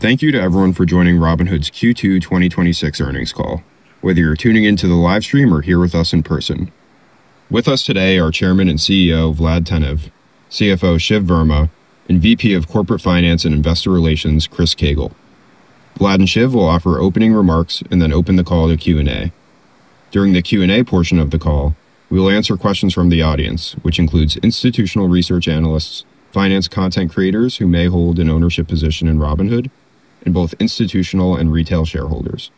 Thank you to everyone for joining Robinhood's Q2 2026 earnings call, whether you're tuning into the live stream or here with us in person. With us today are Chairman and CEO, Vlad Tenev, CFO, Shiv Verma, and VP of Corporate Finance and Investor Relations, Chris Koegel. Vlad and Shiv will offer opening remarks and then open the call to Q&A. During the Q&A portion of the call, we will answer questions from the audience, which includes institutional research analysts, finance content creators who may hold an ownership position in Robinhood, and both institutional and retail shareholders.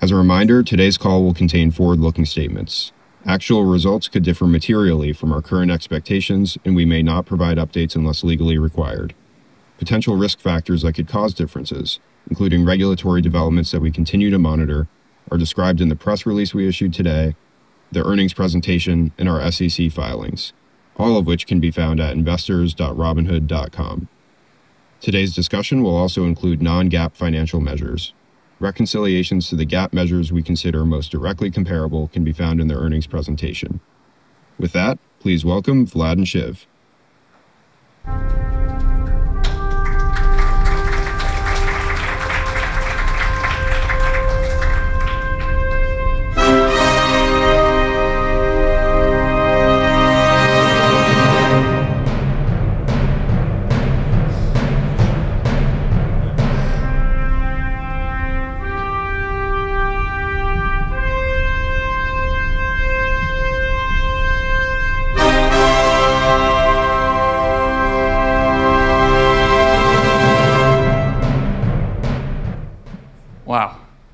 As a reminder, today's call will contain forward-looking statements. Actual results could differ materially from our current expectations, and we may not provide updates unless legally required. Potential risk factors that could cause differences, including regulatory developments that we continue to monitor, are described in the press release we issued today, the earnings presentation, and our SEC filings, all of which can be found at investors.robinhood.com. Today's discussion will also include non-GAAP financial measures. Reconciliations to the GAAP measures we consider most directly comparable can be found in the earnings presentation. With that, please welcome Vlad and Shiv.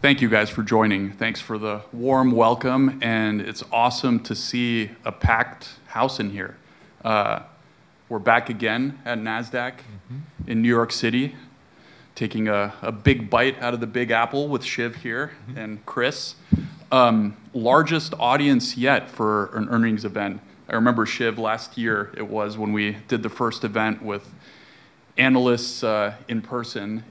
Wow. Thank you, guys, for joining. Thanks for the warm welcome, it's awesome to see a packed house in here. We're back again at Nasdaq in New York City, taking a big bite out of the Big Apple with Shiv here and Chris. Largest audience yet for an earnings event. I remember, Shiv, last year it was when we did the first event with analysts in person,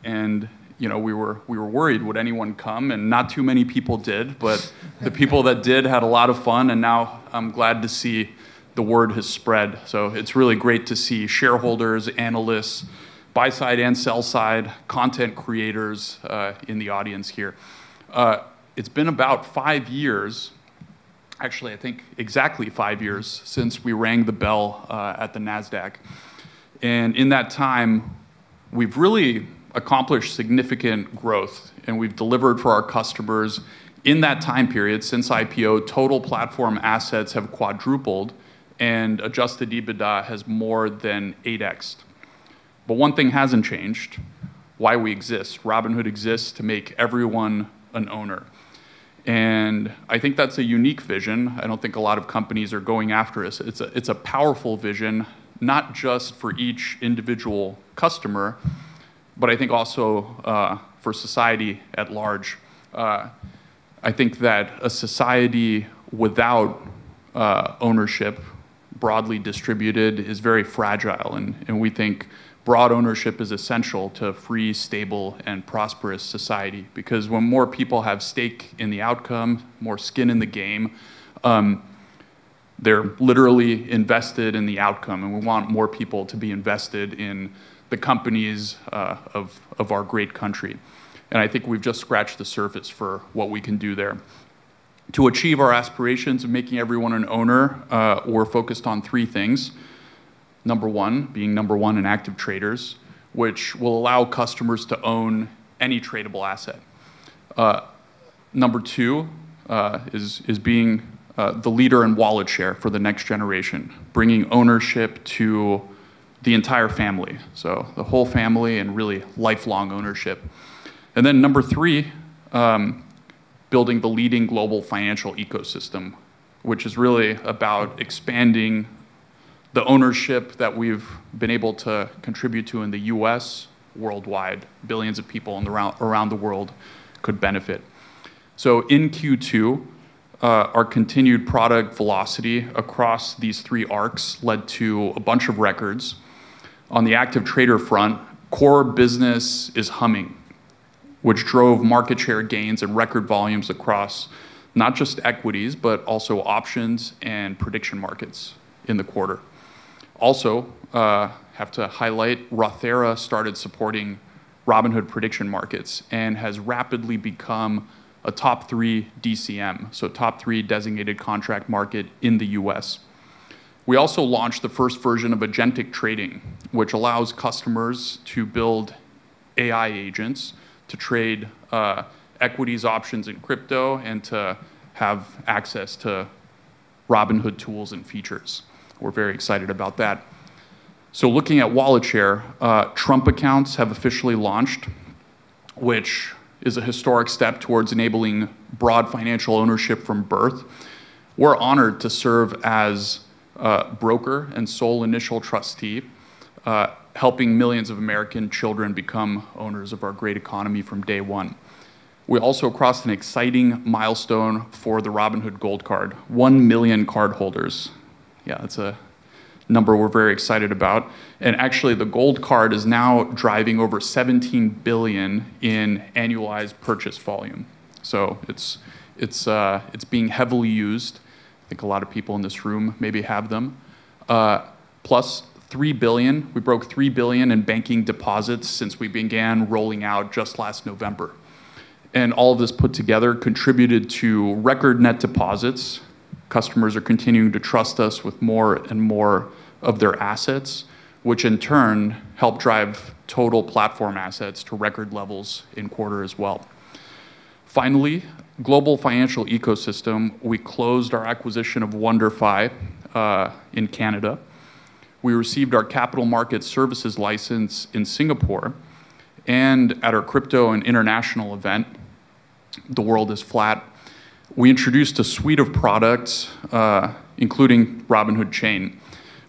and we were worried, would anyone come? Not too many people did, but the people that did had a lot of fun, and now I'm glad to see the word has spread. It's really great to see shareholders, analysts, buy-side and sell-side content creators in the audience here. It's been about five years, actually, I think exactly five years since we rang the bell at the Nasdaq. In that time, we've really accomplished significant growth, and we've delivered for our customers. In that time period, since IPO, total platform assets have quadrupled, and adjusted EBITDA has more than 8x. One thing hasn't changed, why we exist. Robinhood exists to make everyone an owner. I think that's a unique vision. I don't think a lot of companies are going after this. It's a powerful vision, not just for each individual customer, but I think also for society at large. I think that a society without ownership broadly distributed is very fragile, and we think broad ownership is essential to a free, stable, and prosperous society because when more people have stake in the outcome, more skin in the game, they're literally invested in the outcome, and we want more people to be invested in the companies of our great country. I think we've just scratched the surface for what we can do there. To achieve our aspirations of making everyone an owner, we're focused on three things. Number one, being number one in active traders, which will allow customers to own any tradable asset. Number two is being the leader in wallet share for the next generation, bringing ownership to the entire family. The whole family and really lifelong ownership. Number three, building the leading global financial ecosystem, which is really about expanding the ownership that we've been able to contribute to in the U.S. worldwide. Billions of people around the world could benefit. In Q2, our continued product velocity across these three arcs led to a bunch of records. On the active trader front, core business is humming, which drove market share gains and record volumes across not just equities, but also options and prediction markets in the quarter. Also, have to highlight, Rothera started supporting Robinhood prediction markets and has rapidly become a top three DCM, top three designated contract market in the U.S. We also launched the first version of agentic trading, which allows customers to build AI agents to trade equities, options, and crypto and to have access to Robinhood tools and features. We're very excited about that. Looking at wallet share, Trump Accounts have officially launched, which is a historic step towards enabling broad financial ownership from birth. We're honored to serve as broker and sole initial trustee, helping millions of American children become owners of our great economy from day one. We also crossed an exciting milestone for the Robinhood Gold Card, one million cardholders. Yeah, that's a number we're very excited about. Actually, the Gold Card is now driving over $17 billion in annualized purchase volume. It's being heavily used. I think a lot of people in this room maybe have them. Plus $3 billion. We broke $3 billion in banking deposits since we began rolling out just last November. All of this put together contributed to record net deposits. Customers are continuing to trust us with more and more of their assets, which in turn help drive total platform assets to record levels in quarter as well. Finally, global financial ecosystem. We closed our acquisition of WonderFi in Canada. We received our capital market services license in Singapore. At our crypto and international event, The World is Flat, we introduced a suite of products, including Robinhood Chain,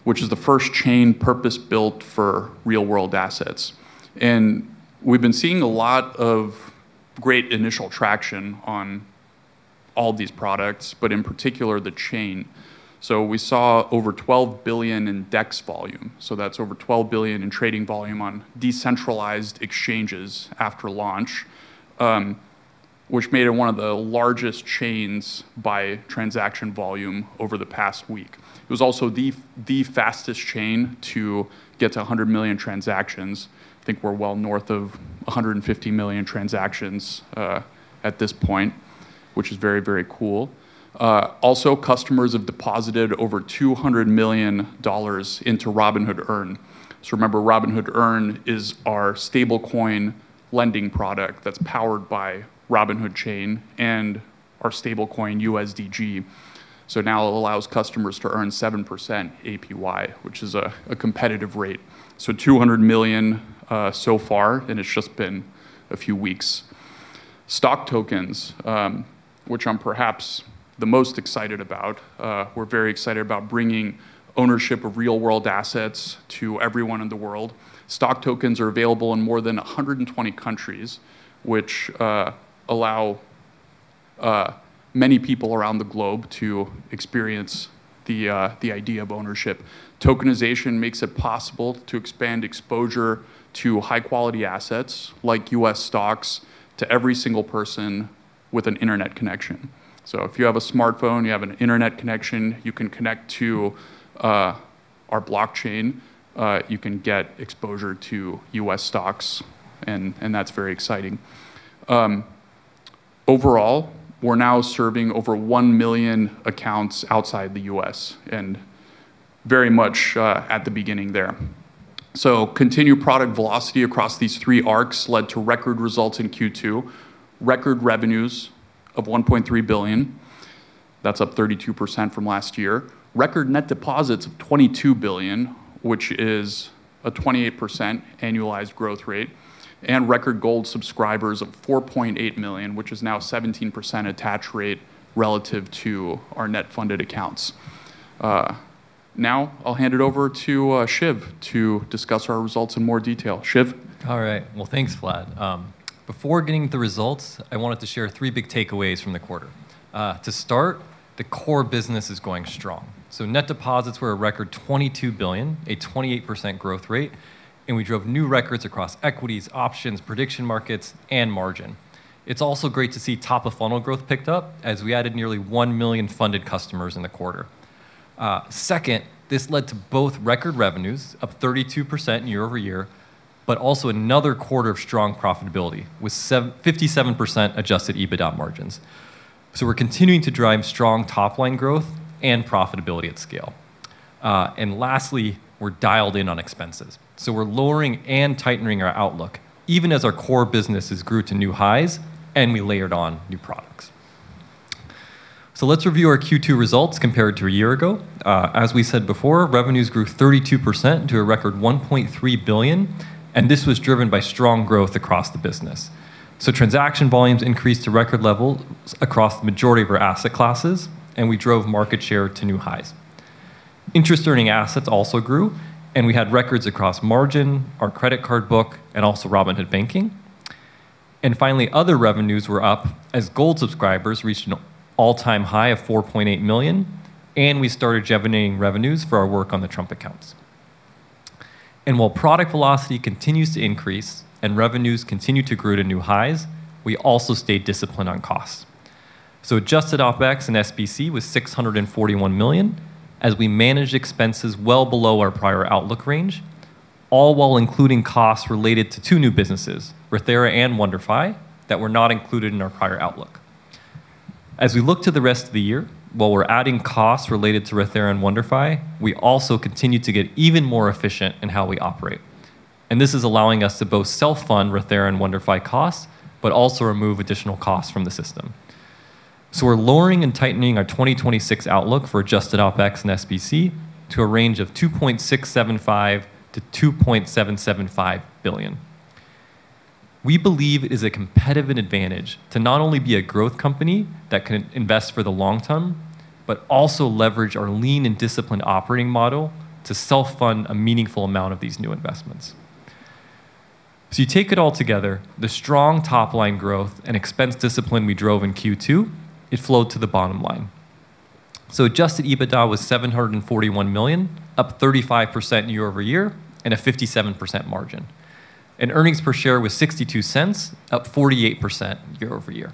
which is the first chain purpose-built for real-world assets. We've been seeing a lot of great initial traction on all these products, but in particular, the chain. We saw over $12 billion in DEX volume, that's over $12 billion in trading volume on decentralized exchanges after launch, which made it one of the largest chains by transaction volume over the past week. It was also the fastest chain to get to 100 million transactions. I think we're well north of 150 million transactions at this point, which is very, very cool. Also, customers have deposited over $200 million into Robinhood Earn. Remember, Robinhood Earn is our stablecoin lending product that's powered by Robinhood Chain and our stablecoin USDG. Now it allows customers to earn 7% APY, which is a competitive rate. $200 million so far, and it's just been a few weeks. Stock tokens, which I'm perhaps the most excited about. We're very excited about bringing ownership of real-world assets to everyone in the world. Stock tokens are available in more than 120 countries, which allow many people around the globe to experience the idea of ownership. Tokenization makes it possible to expand exposure to high-quality assets like U.S. stocks to every single person with an internet connection. If you have a smartphone, you have an internet connection, you can connect to our blockchain, you can get exposure to U.S. stocks, and that's very exciting. Overall, we're now serving over one million accounts outside the U.S. and very much at the beginning there. Continued product velocity across these three arcs led to record results in Q2. Record revenues of $1.3 billion. That's up 32% from last year. Record net deposits of $22 billion, which is a 28% annualized growth rate. Record Gold subscribers of 4.8 million, which is now 17% attach rate relative to our net funded accounts. I'll hand it over to Shiv to discuss our results in more detail. Shiv? All right. Thanks, Vlad. Before getting the results, I wanted to share three big takeaways from the quarter. To start, the core business is going strong. Net deposits were a record $22 billion, a 28% growth rate, and we drove new records across equities, options, prediction markets, and margin. It's also great to see top-of-funnel growth picked up as we added nearly one million funded customers in the quarter. Second, this led to both record revenues of 32% year-over-year, but also another quarter of strong profitability, with 57% adjusted EBITDA margins. We're continuing to drive strong top-line growth and profitability at scale. Lastly, we're dialed in on expenses. We're lowering and tightening our outlook, even as our core businesses grew to new highs and we layered on new products. Let's review our Q2 results compared to a year ago. As we said before, revenues grew 32% to a record $1.3 billion, and this was driven by strong growth across the business. Transaction volumes increased to record levels across the majority of our asset classes, and we drove market share to new highs. Interest earning assets also grew, and we had records across margin, our credit card book, and also Robinhood Banking. Finally, other revenues were up as Gold subscribers reached an all-time high of 4.8 million, and we started generating revenues for our work on the Trump Accounts. While product velocity continues to increase and revenues continue to grow to new highs, we also stayed disciplined on costs. Adjusted OpEx and SBC was $641 million as we managed expenses well below our prior outlook range, all while including costs related to two new businesses, Rothera and WonderFi, that were not included in our prior outlook. As we look to the rest of the year, while we're adding costs related to Rothera and WonderFi, we also continue to get even more efficient in how we operate. This is allowing us to both self-fund Rothera and WonderFi costs, but also remove additional costs from the system. We're lowering and tightening our 2026 outlook for adjusted OpEx and SBC to a range of $2.675 billion-$2.775 billion. We believe it is a competitive advantage to not only be a growth company that can invest for the long term, but also leverage our lean and disciplined operating model to self-fund a meaningful amount of these new investments. You take it all together, the strong top-line growth and expense discipline we drove in Q2, it flowed to the bottom line. Adjusted EBITDA was $741 million, up 35% year-over-year, and a 57% margin. Earnings per share was $0.62, up 48% year-over-year.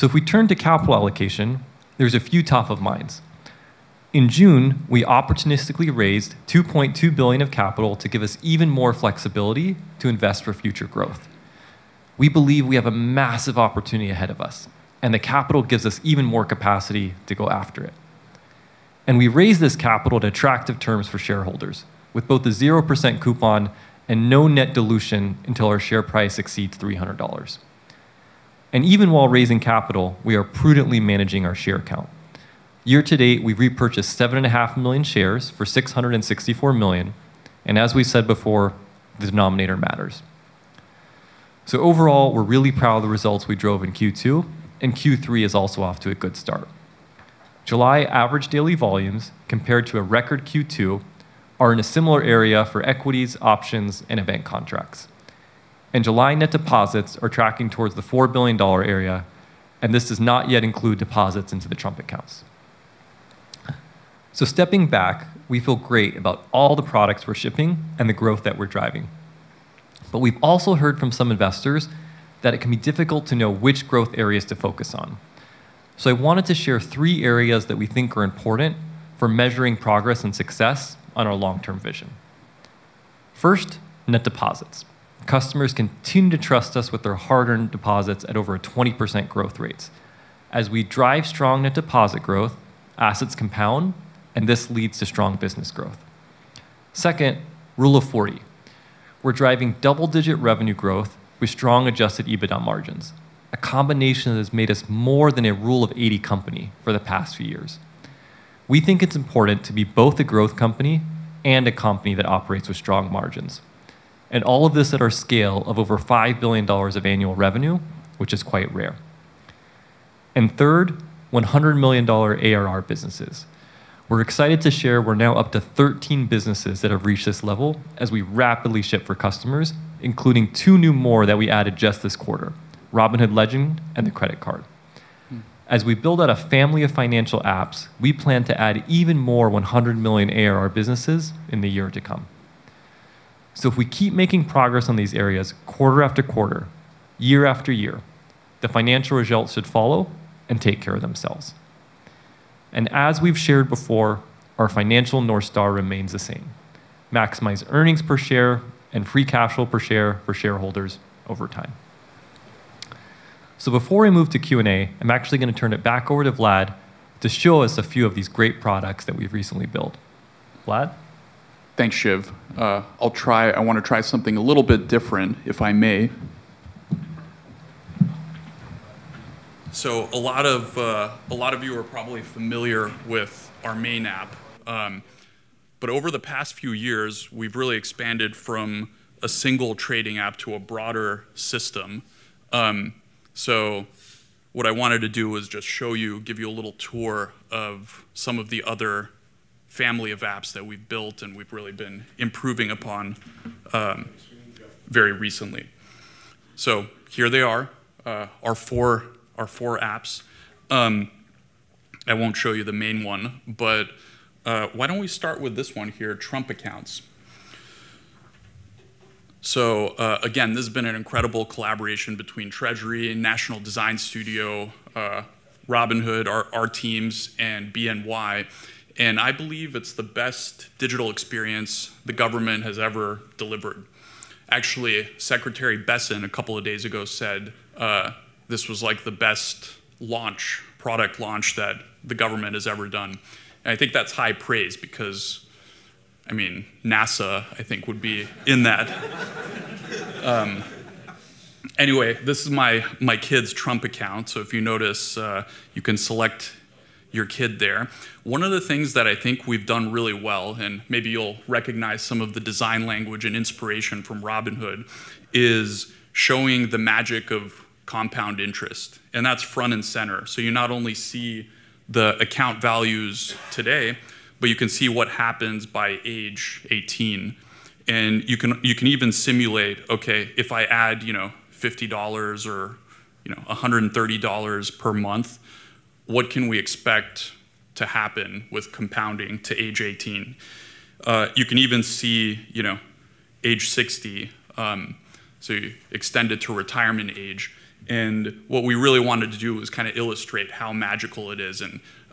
If we turn to capital allocation, there's a few top of minds. In June, we opportunistically raised $2.2 billion of capital to give us even more flexibility to invest for future growth. We believe we have a massive opportunity ahead of us, and the capital gives us even more capacity to go after it. We raised this capital at attractive terms for shareholders, with both a 0% coupon and no net dilution until our share price exceeds $300. Even while raising capital, we are prudently managing our share count. Year-to-date, we've repurchased 7.5 million shares for $664 million, and as we said before, the denominator matters. Overall, we're really proud of the results we drove in Q2, and Q3 is also off to a good start. July average daily volumes, compared to a record Q2, are in a similar area for equities, options, and event contracts. July net deposits are tracking towards the $4 billion area, and this does not yet include deposits into the Trump Accounts. Stepping back, we feel great about all the products we're shipping and the growth that we're driving. We've also heard from some investors that it can be difficult to know which growth areas to focus on. I wanted to share three areas that we think are important for measuring progress and success on our long-term vision. First, net deposits. Customers continue to trust us with their hard-earned deposits at over a 20% growth rate. As we drive strong net deposit growth, assets compound, and this leads to strong business growth. Second, Rule of 40. We're driving double-digit revenue growth with strong adjusted EBITDA margins, a combination that has made us more than a Rule of 80 company for the past few years. We think it's important to be both a growth company and a company that operates with strong margins. All of this at our scale of over $5 billion of annual revenue, which is quite rare. Third, $100 million ARR businesses. We're excited to share we're now up to 13 businesses that have reached this level as we rapidly ship for customers, including two new more that we added just this quarter, Robinhood Legend and the credit card. As we build out a family of financial apps, we plan to add even more $100 million ARR businesses in the year to come. If we keep making progress on these areas quarter after quarter, year after year, the financial results should follow and take care of themselves. As we've shared before, our Financial North Star remains the same, maximize earnings per share and free cash flow per share for shareholders over time. Before I move to Q&A, I'm actually going to turn it back over to Vlad to show us a few of these great products that we've recently built. Vlad? Thanks, Shiv. I want to try something a little bit different, if I may. A lot of you are probably familiar with our main app. Over the past few years, we've really expanded from a single trading app to a broader system. What I wanted to do was just show you, give you a little tour of some of the other family of apps that we've built, and we've really been improving upon very recently. Here they are, our four apps. I won't show you the main one, but why don't we start with this one here, Trump Accounts. Again, this has been an incredible collaboration between Treasury, National Design Studio, Robinhood, our teams, and BNY. I believe it's the best digital experience the government has ever delivered. Actually, Secretary Bessent a couple of days ago said this was like the best product launch that the government has ever done. I think that's high praise because, I mean, NASA, I think, would be in that. Anyway, this is my kid's Trump Account. If you notice, you can select your kid there. One of the things that I think we've done really well, and maybe you'll recognize some of the design language and inspiration from Robinhood, is showing the magic of compound interest, and that's front and center. You not only see the account values today, but you can see what happens by age 18. You can even simulate, okay, if I add $50 or $130 per month, what can we expect to happen with compounding to age 18? You can even see age 60, so you extend it to retirement age. What we really wanted to do was kind of illustrate how magical it is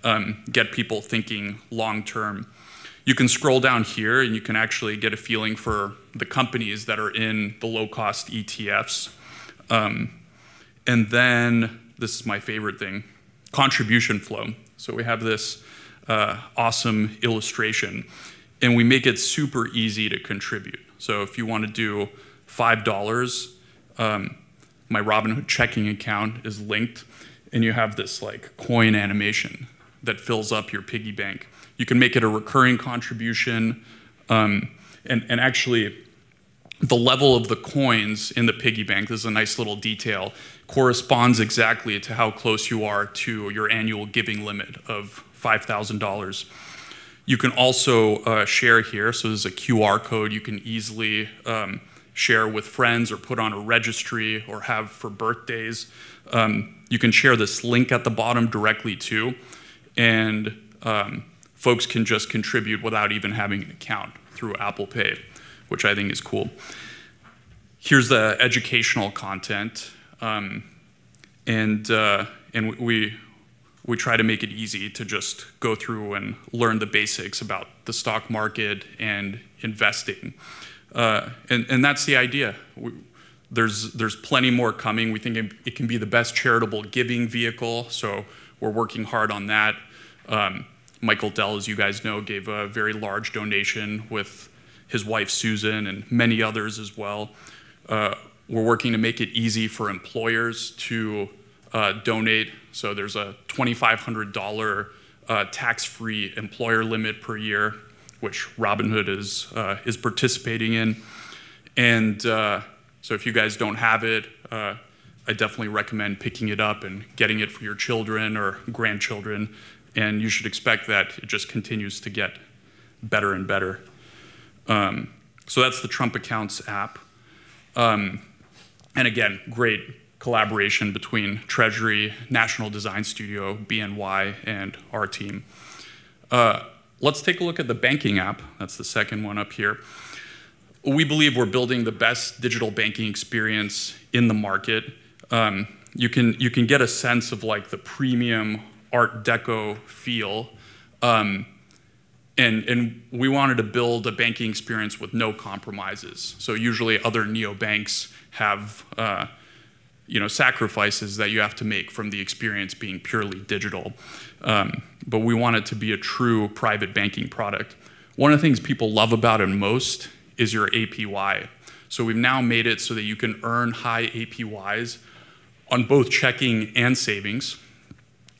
and get people thinking long term. You can scroll down here, and you can actually get a feeling for the companies that are in the low-cost ETFs. This is my favorite thing, contribution flow. We have this awesome illustration, and we make it super easy to contribute. If you want to do $5, my Robinhood checking account is linked, and you have this coin animation that fills up your piggy bank. You can make it a recurring contribution. Actually, the level of the coins in the piggy bank, this is a nice little detail, corresponds exactly to how close you are to your annual giving limit of $5,000. You can also share here. There's a QR code you can easily share with friends or put on a registry or have for birthdays. You can share this link at the bottom directly, too, and folks can just contribute without even having an account through Apple Pay, which I think is cool. Here's the educational content. We try to make it easy to just go through and learn the basics about the stock market and investing. That's the idea. There's plenty more coming. We think it can be the best charitable giving vehicle, so we're working hard on that. Michael Dell, as you guys know, gave a very large donation with his wife, Susan, and many others as well. We're working to make it easy for employers to donate. There's a $2,500 tax-free employer limit per year, which Robinhood is participating in. If you guys don't have it, I definitely recommend picking it up and getting it for your children or grandchildren, and you should expect that it just continues to get better and better. That's the Trump Accounts app. Again, great collaboration between Treasury, National Design Studio, BNY, and our team. Let's take a look at the banking app. That's the second one up here. We believe we're building the best digital banking experience in the market. You can get a sense of the premium Art Deco feel. We wanted to build a banking experience with no compromises. Usually, other neobanks have sacrifices that you have to make from the experience being purely digital. But we want it to be a true private banking product. One of the things people love about it most is your APY. We've now made it so that you can earn high APYs on both checking and savings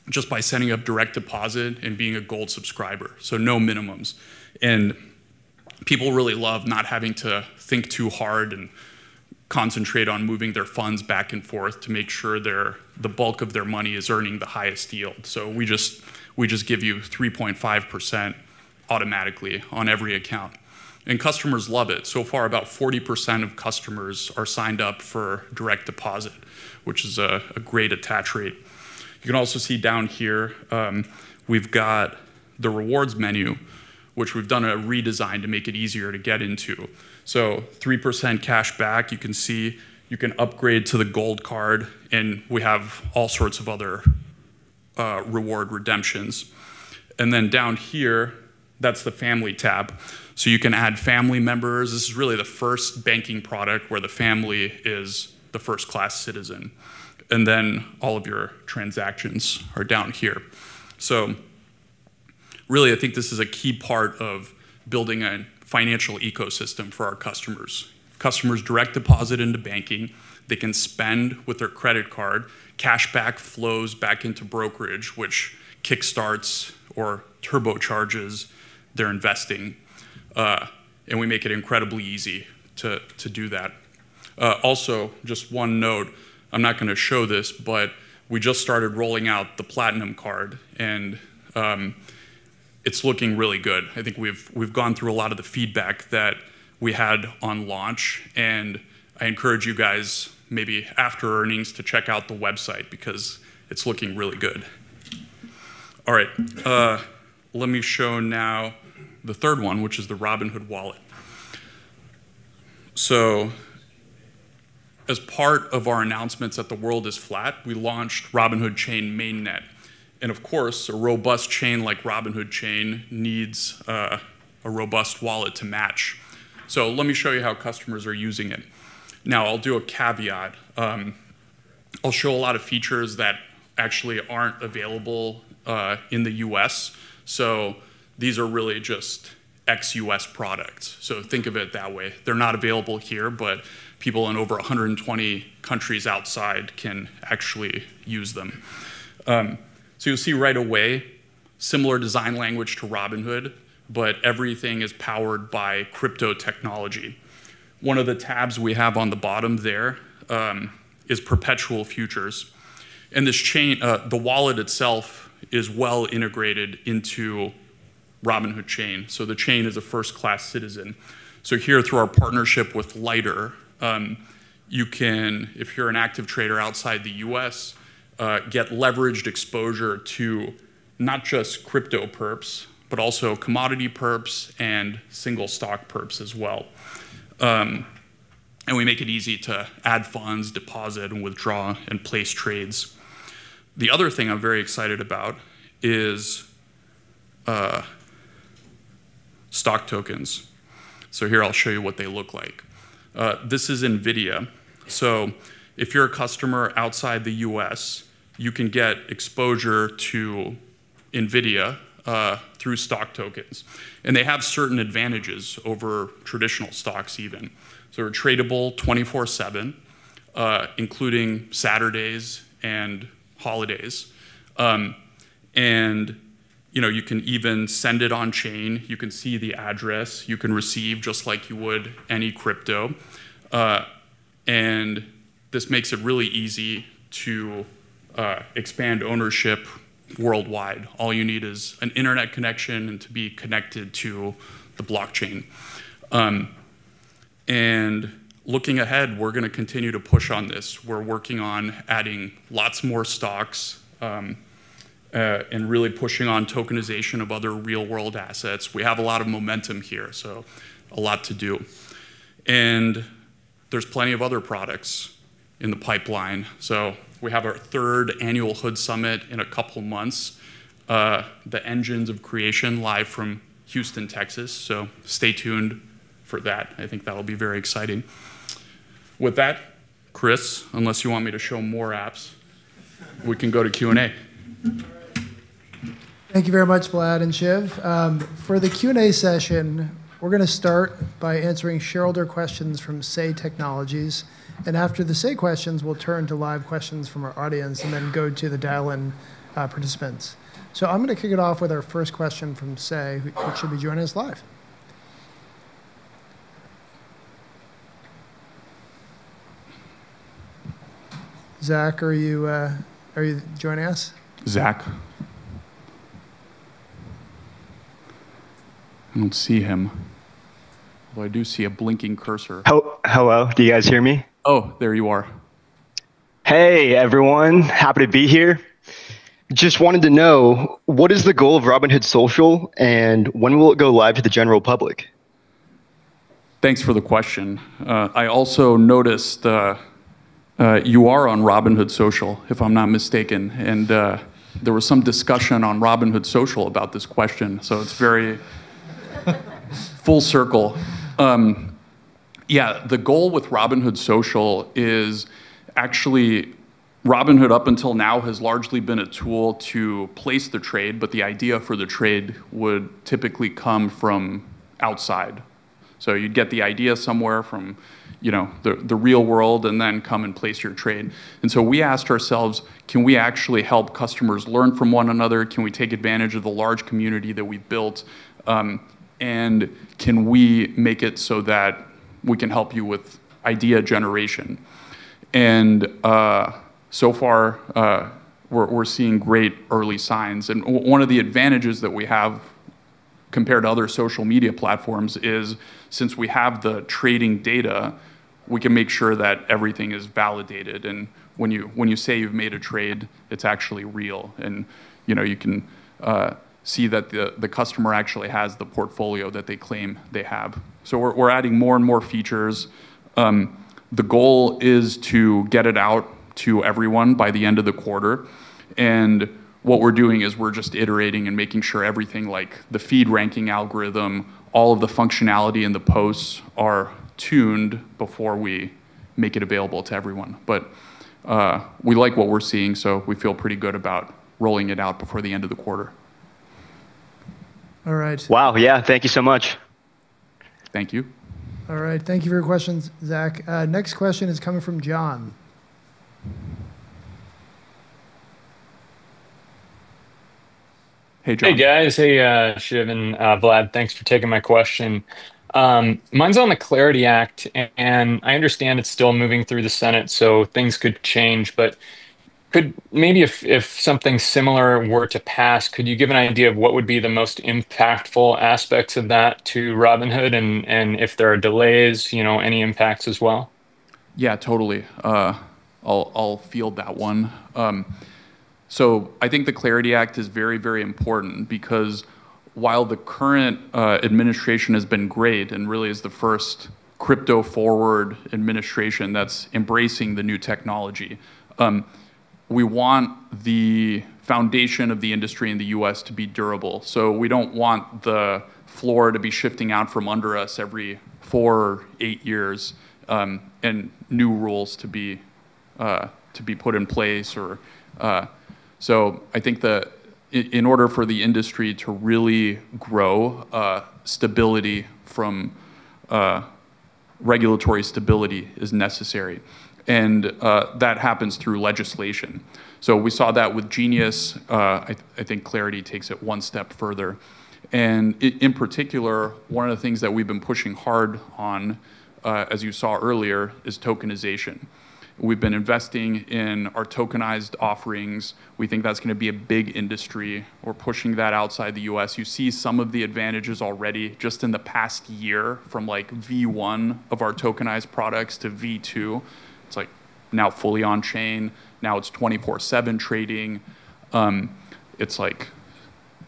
just by setting up direct deposit and being a Gold subscriber, no minimums. People really love not having to think too hard and concentrate on moving their funds back and forth to make sure the bulk of their money is earning the highest yield. We just give you 3.5% automatically on every account. Customers love it. So far, about 40% of customers are signed up for direct deposit, which is a great attach rate. You can also see down here, we've got the Rewards menu, which we've done a redesign to make it easier to get into. 3% cashback, you can see you can upgrade to the Gold Card, and we have all sorts of other reward redemptions. Down here, that's the Family tab. You can add family members. This is really the first Banking product where the family is the first-class citizen. All of your transactions are down here. Really, I think this is a key part of building a financial ecosystem for our customers. Customers direct deposit into Banking. They can spend with their credit card. Cashback flows back into brokerage, which kick-starts or turbo-charges their investing. We make it incredibly easy to do that. Also, just one note, I'm not going to show this, but we just started rolling out the Platinum Card, and it's looking really good. I think we've gone through a lot of the feedback that we had on launch. I encourage you guys, maybe after earnings, to check out the website because it's looking really good. All right. Let me show now the third one, which is the Robinhood Wallet. As part of our announcements at The World is Flat, we launched Robinhood Chain Mainnet. Of course, a robust Chain like Robinhood Chain needs a robust Wallet to match. Let me show you how customers are using it. Now, I'll do a caveat. I'll show a lot of features that actually aren't available in the U.S., these are really just ex-U.S. products. Think of it that way. They're not available here, but people in over 120 countries outside can actually use them. You'll see right away, similar design language to Robinhood, but everything is powered by crypto technology. One of the tabs we have on the bottom there is Perpetual Futures. The Wallet itself is well integrated into Robinhood Chain. The Chain is a first-class citizen. Here, through our partnership with Lighter, you can, if you're an active trader outside the U.S., get leveraged exposure to not just crypto perps, but also commodity perps and single stock perps as well. We make it easy to add funds, deposit, and withdraw, and place trades. The other thing I'm very excited about is stock tokens. Here I'll show you what they look like. This is NVIDIA. If you're a customer outside the U.S., you can get exposure to NVIDIA through stock tokens, and they have certain advantages over traditional stocks even. They're tradable 24/7, including Saturdays and holidays. You can even send it on-chain. You can see the address. You can receive just like you would any crypto. This makes it really easy to expand ownership worldwide. All you need is an internet connection and to be connected to the blockchain. Looking ahead, we're going to continue to push on this. We're working on adding lots more stocks. Really pushing on tokenization of other real-world assets. We have a lot of momentum here, a lot to do. There's plenty of other products in the pipeline. We have our third annual HOOD Summit in a couple of months, the Engines of Creation live from Houston, Texas. Stay tuned for that. I think that'll be very exciting. With that, Chris, unless you want me to show more apps, we can go to Q&A. Thank you very much, Vlad and Shiv. For the Q&A session, we're going to start by answering shareholder questions from Say Technologies. After the Say questions, we'll turn to live questions from our audience. Then go to the dial-in participants. I'm going to kick it off with our first question from Say, who should be joining us live. Zach, are you joining us? Zach? I don't see him, although I do see a blinking cursor. Hello. Do you guys hear me? Oh, there you are. Hey, everyone. Happy to be here. Just wanted to know, what is the goal of Robinhood Social, when will it go live to the general public? Thanks for the question. I also noticed you are on Robinhood Social, if I'm not mistaken, and there was some discussion on Robinhood Social about this question. It's very full circle. Yeah, the goal with Robinhood Social is actually, Robinhood up until now has largely been a tool to place the trade, but the idea for the trade would typically come from outside. You'd get the idea somewhere from the real world and then come and place your trade. We asked ourselves, can we actually help customers learn from one another? Can we take advantage of the large community that we've built? Can we make it so that we can help you with idea generation? So far, we're seeing great early signs. One of the advantages that we have compared to other social media platforms is since we have the trading data, we can make sure that everything is validated. When you say you've made a trade, it's actually real, and you can see that the customer actually has the portfolio that they claim they have. We're adding more and more features. The goal is to get it out to everyone by the end of the quarter. What we're doing is we're just iterating and making sure everything like the feed ranking algorithm, all of the functionality in the posts are tuned before we make it available to everyone. We like what we're seeing, so we feel pretty good about rolling it out before the end of the quarter. All right. Wow. Yeah. Thank you so much. Thank you. All right. Thank you for your questions, Zach. Next question is coming from John. Hey, John. Hey, guys. Hey, Shiv and Vlad. Thanks for taking my question. Mine's on the CLARITY Act. I understand it's still moving through the Senate, so things could change. Could maybe if something similar were to pass, could you give an idea of what would be the most impactful aspects of that to Robinhood? If there are delays, any impacts as well? Yeah, totally. I'll field that one. I think the CLARITY Act is very important because while the current administration has been great and really is the first crypto-forward administration that's embracing the new technology, we want the foundation of the industry in the U.S. to be durable. We don't want the floor to be shifting out from under us every four, eight years, and new rules to be put in place. I think that in order for the industry to really grow, regulatory stability is necessary, and that happens through legislation. We saw that with GENIUS Act. I think CLARITYll takes it one step further. In particular, one of the things that we've been pushing hard on, as you saw earlier, is tokenization. We've been investing in our tokenized offerings. We think that's going to be a big industry. We're pushing that outside the U.S. You see some of the advantages already just in the past year from V1 of our tokenized products to V2. It's now fully on chain. Now it's 24/7 trading. It's like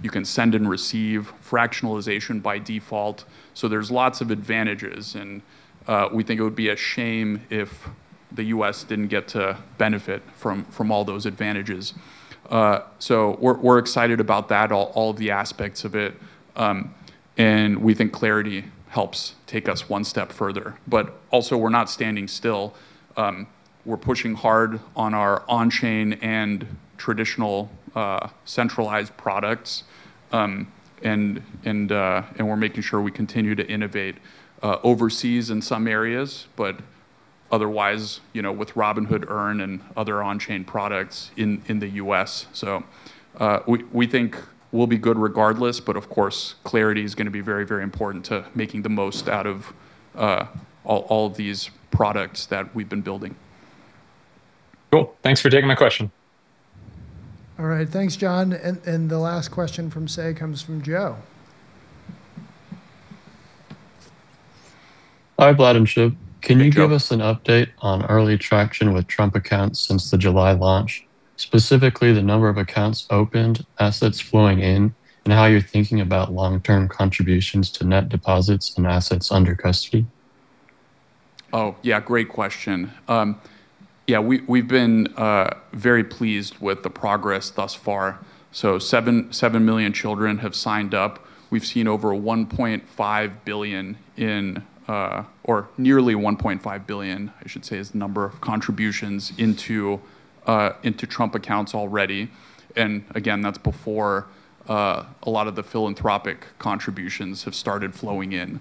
you can send and receive fractionalization by default. There's lots of advantages, and we think it would be a shame if the U.S. didn't get to benefit from all those advantages. We're excited about that, all of the aspects of it. We think CLARITY helps take us one step further. Also, we're not standing still. We're pushing hard on our on-chain and traditional centralized products. We're making sure we continue to innovate overseas in some areas, but otherwise, with Robinhood Earn and other on-chain products in the U.S. We think we'll be good regardless, but of course, CLARITY is going to be very important to making the most out of all of these products that we've been building. Cool. Thanks for taking my question. All right. Thanks, John. The last question from Say comes from Joe Hi, Vlad and Shiv. Hey, Joe. Can you give us an update on early traction with Trump Accounts since the July launch? Specifically, the number of accounts opened, assets flowing in, and how you're thinking about long-term contributions to net deposits and assets under custody? Oh, yeah. Great question. Yeah, we've been very pleased with the progress thus far. Seven million children have signed up. We've seen over $1.5 billion in, or nearly $1.5 billion, I should say, is the number of contributions into Trump Accounts already. Again, that's before a lot of the philanthropic contributions have started flowing in.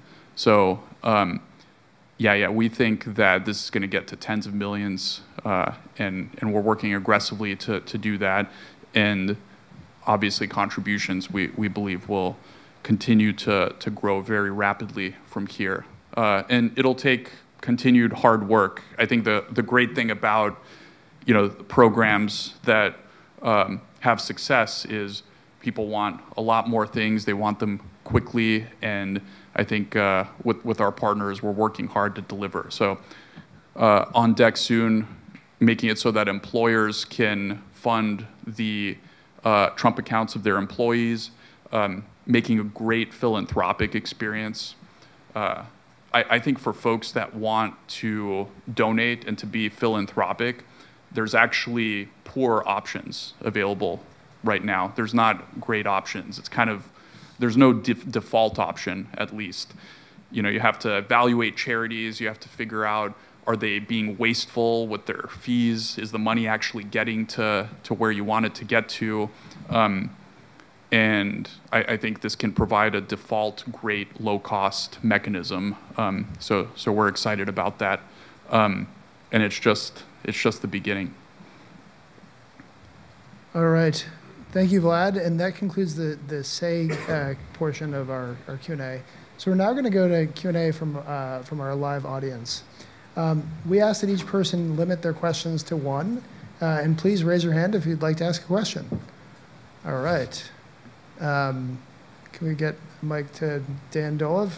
Yeah. We think that this is going to get to tens of millions, and we're working aggressively to do that. Obviously, contributions, we believe, will continue to grow very rapidly from here. It'll take continued hard work. I think the great thing about programs that have success is people want a lot more things. They want them quickly, and I think, with our partners, we're working hard to deliver. On deck soon, making it so that employers can fund the Trump Accounts of their employees, making a great philanthropic experience. I think for folks that want to donate and to be philanthropic, there's actually poor options available right now. There's not great options. There's no default option, at least. You have to evaluate charities. You have to figure out are they being wasteful with their fees? Is the money actually getting to where you want it to get to? I think this can provide a default, great, low-cost mechanism. We're excited about that. It's just the beginning. All right. Thank you, Vlad. That concludes the Say portion of our Q&A. We're now going to go to Q&A from our live audience. We ask that each person limit their questions to one. Please raise your hand if you'd like to ask a question. All right. Can we get the mic to Dan Dolev?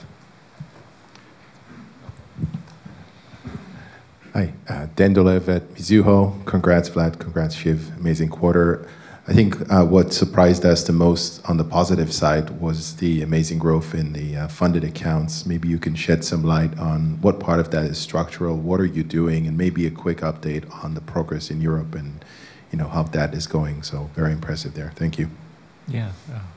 Hi, Dan Dolev at Mizuho. Congrats, Vlad. Congrats, Shiv. Amazing quarter. I think what surprised us the most on the positive side was the amazing growth in the funded accounts. Maybe you can shed some light on what part of that is structural, what are you doing, and maybe a quick update on the progress in Europe and how that is going. Very impressive there. Thank you. Yeah.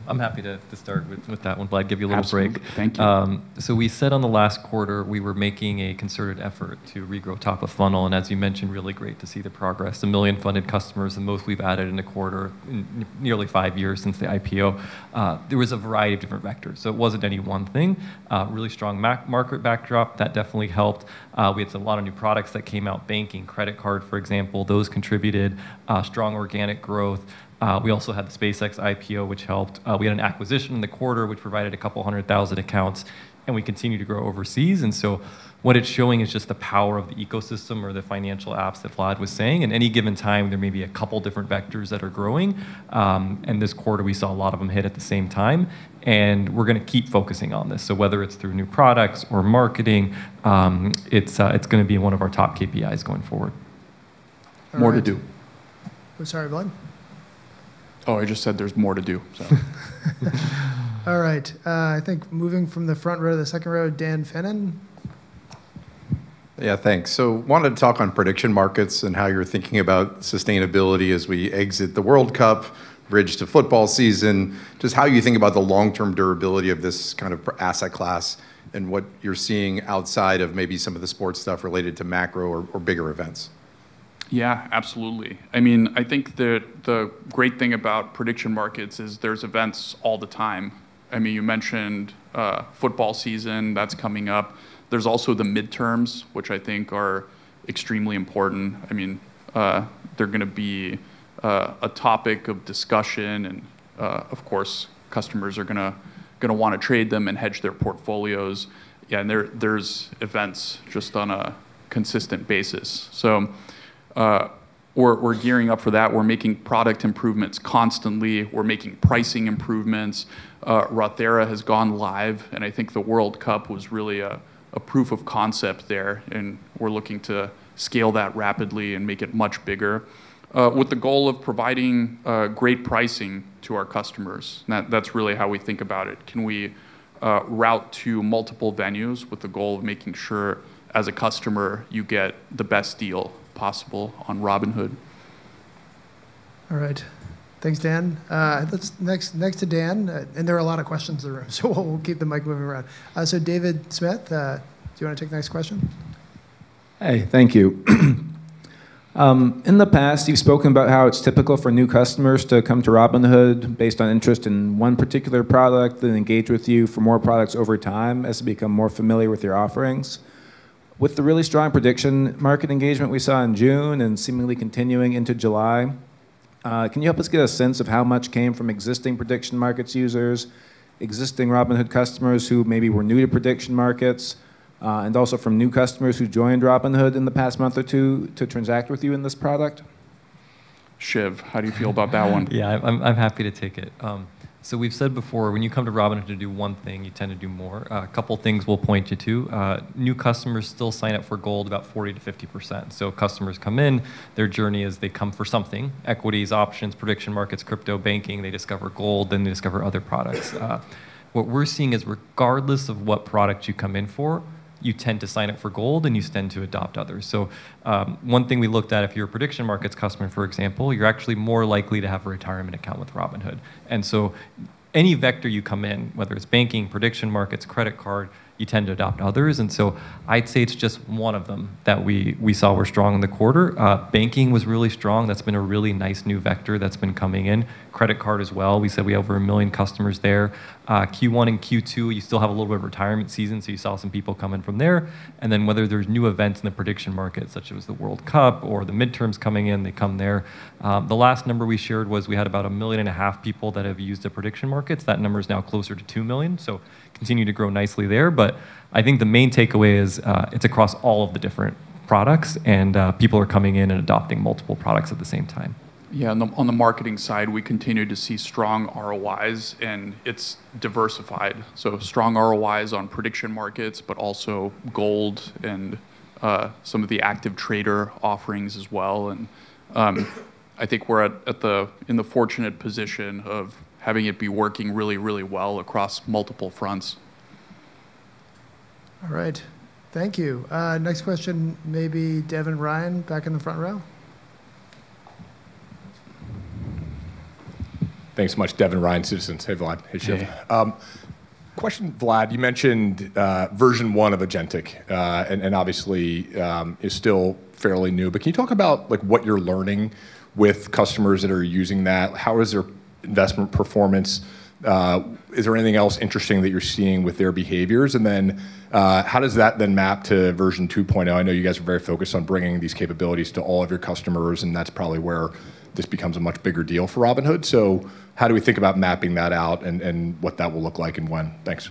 I'm happy to start with that one, Vlad. Give you a little break. Absolutely. Thank you. We said on the last quarter, we were making a concerted effort to regrow top of funnel. As you mentioned, really great to see the progress. A million funded customers, the most we've added in a quarter in nearly five years since the IPO. There was a variety of different vectors, so it wasn't any one thing. A really strong market backdrop, that definitely helped. We had a lot of new products that came out, banking, credit card, for example. Those contributed strong organic growth. We also had the SpaceX IPO, which helped. We had an acquisition in the quarter, which provided a couple hundred thousand accounts, and we continue to grow overseas. What it's showing is just the power of the ecosystem or the financial apps that Vlad was saying. At any given time, there may be a couple different vectors that are growing. In this quarter, we saw a lot of them hit at the same time, and we're going to keep focusing on this. Whether it's through new products or marketing, it's going to be one of our top KPIs going forward. More to do. Sorry, Vlad? Oh, I just said there's more to do, so. All right. I think moving from the front row to the second row, Dan Fannon. Yeah, thanks. Wanted to talk on prediction markets and how you're thinking about sustainability as we exit the World Cup, bridge to football season, just how you think about the long-term durability of this kind of asset class and what you're seeing outside of maybe some of the sports stuff related to macro or bigger events. Yeah, absolutely. I think the great thing about prediction markets is there's events all the time. You mentioned football season. That's coming up. There's also the midterms, which I think are extremely important. They're going to be a topic of discussion, of course, customers are going to want to trade them and hedge their portfolios. Yeah, there's events just on a consistent basis. We're gearing up for that. We're making product improvements constantly. We're making pricing improvements. Rothera has gone live, and I think the World Cup was really a proof of concept there, and we're looking to scale that rapidly and make it much bigger, with the goal of providing great pricing to our customers. That's really how we think about it. Can we route to multiple venues with the goal of making sure, as a customer, you get the best deal possible on Robinhood? All right. Thanks, Dan. Next to Dan, there are a lot of questions in the room, so we'll keep the mic moving around. David Smith, do you want to take the next question? Hey, thank you. In the past, you've spoken about how it's typical for new customers to come to Robinhood based on interest in one particular product and engage with you for more products over time as they become more familiar with your offerings. With the really strong prediction market engagement we saw in June and seemingly continuing into July, can you help us get a sense of how much came from existing prediction market users, existing Robinhood customers who maybe were new to prediction markets, and also from new customers who joined Robinhood in the past month or two to transact with you in this product? Shiv, how do you feel about that one? Yeah, I'm happy to take it. We've said before, when you come to Robinhood to do one thing, you tend to do more. A couple of things we'll point you to. New customers still sign up for Gold about 40%-50%. Customers come in, their journey is they come for something, equities, options, prediction markets, crypto, banking, they discover Gold, they discover other products. What we're seeing is regardless of what product you come in for, you tend to sign up for Gold, and you tend to adopt others. One thing we looked at, if you're a prediction market customer, for example, you're actually more likely to have a retirement account with Robinhood. Any vector you come in, whether it's banking, prediction markets, credit card, you tend to adopt others. I'd say it's just one of them that we saw were strong in the quarter. Banking was really strong. That's been a really nice new vector that's been coming in. Credit card as well. We said we have over a million customers there. Q1 and Q2, you still have a little bit of retirement season, so you saw some people coming from there. Whether there's new events in the prediction market, such as the World Cup or the midterms coming in, they come there. The last number we shared was we had about 1.5 million people that have used the prediction markets. That number is now closer to two million. Continue to grow nicely there. But I think the main takeaway is it's across all of the different products and people are coming in and adopting multiple products at the same time. On the marketing side, we continue to see strong ROIs and it's diversified. Strong ROIs on prediction markets, but also Gold and some of the active trader offerings as well. I think we're in the fortunate position of having it be working really, really well across multiple fronts. All right. Thank you. Next question, maybe Devin Ryan back in the front row. Thanks so much. Devin Ryan, Citizens. Hey, Vlad. Hey, Shiv. Hey. Question, Vlad. You mentioned Version 1 of Agentic, obviously, is still fairly new, but can you talk about what you're learning with customers that are using that? How is their investment performance? Is there anything else interesting that you're seeing with their behaviors? How does that then map to Version 2.0? I know you guys are very focused on bringing these capabilities to all of your customers, and that's probably where this becomes a much bigger deal for Robinhood. How do we think about mapping that out and what that will look like and when? Thanks.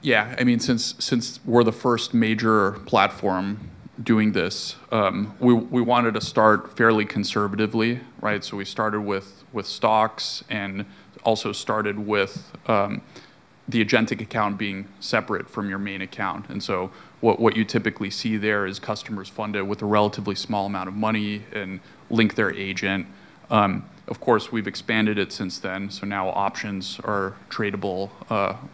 Yeah. Since we're the first major platform doing this, we wanted to start fairly conservatively, right? We started with stocks and also started with the Agentic account being separate from your main account. What you typically see there is customers fund it with a relatively small amount of money and link their agent. Of course, we've expanded it since then, so now options are tradable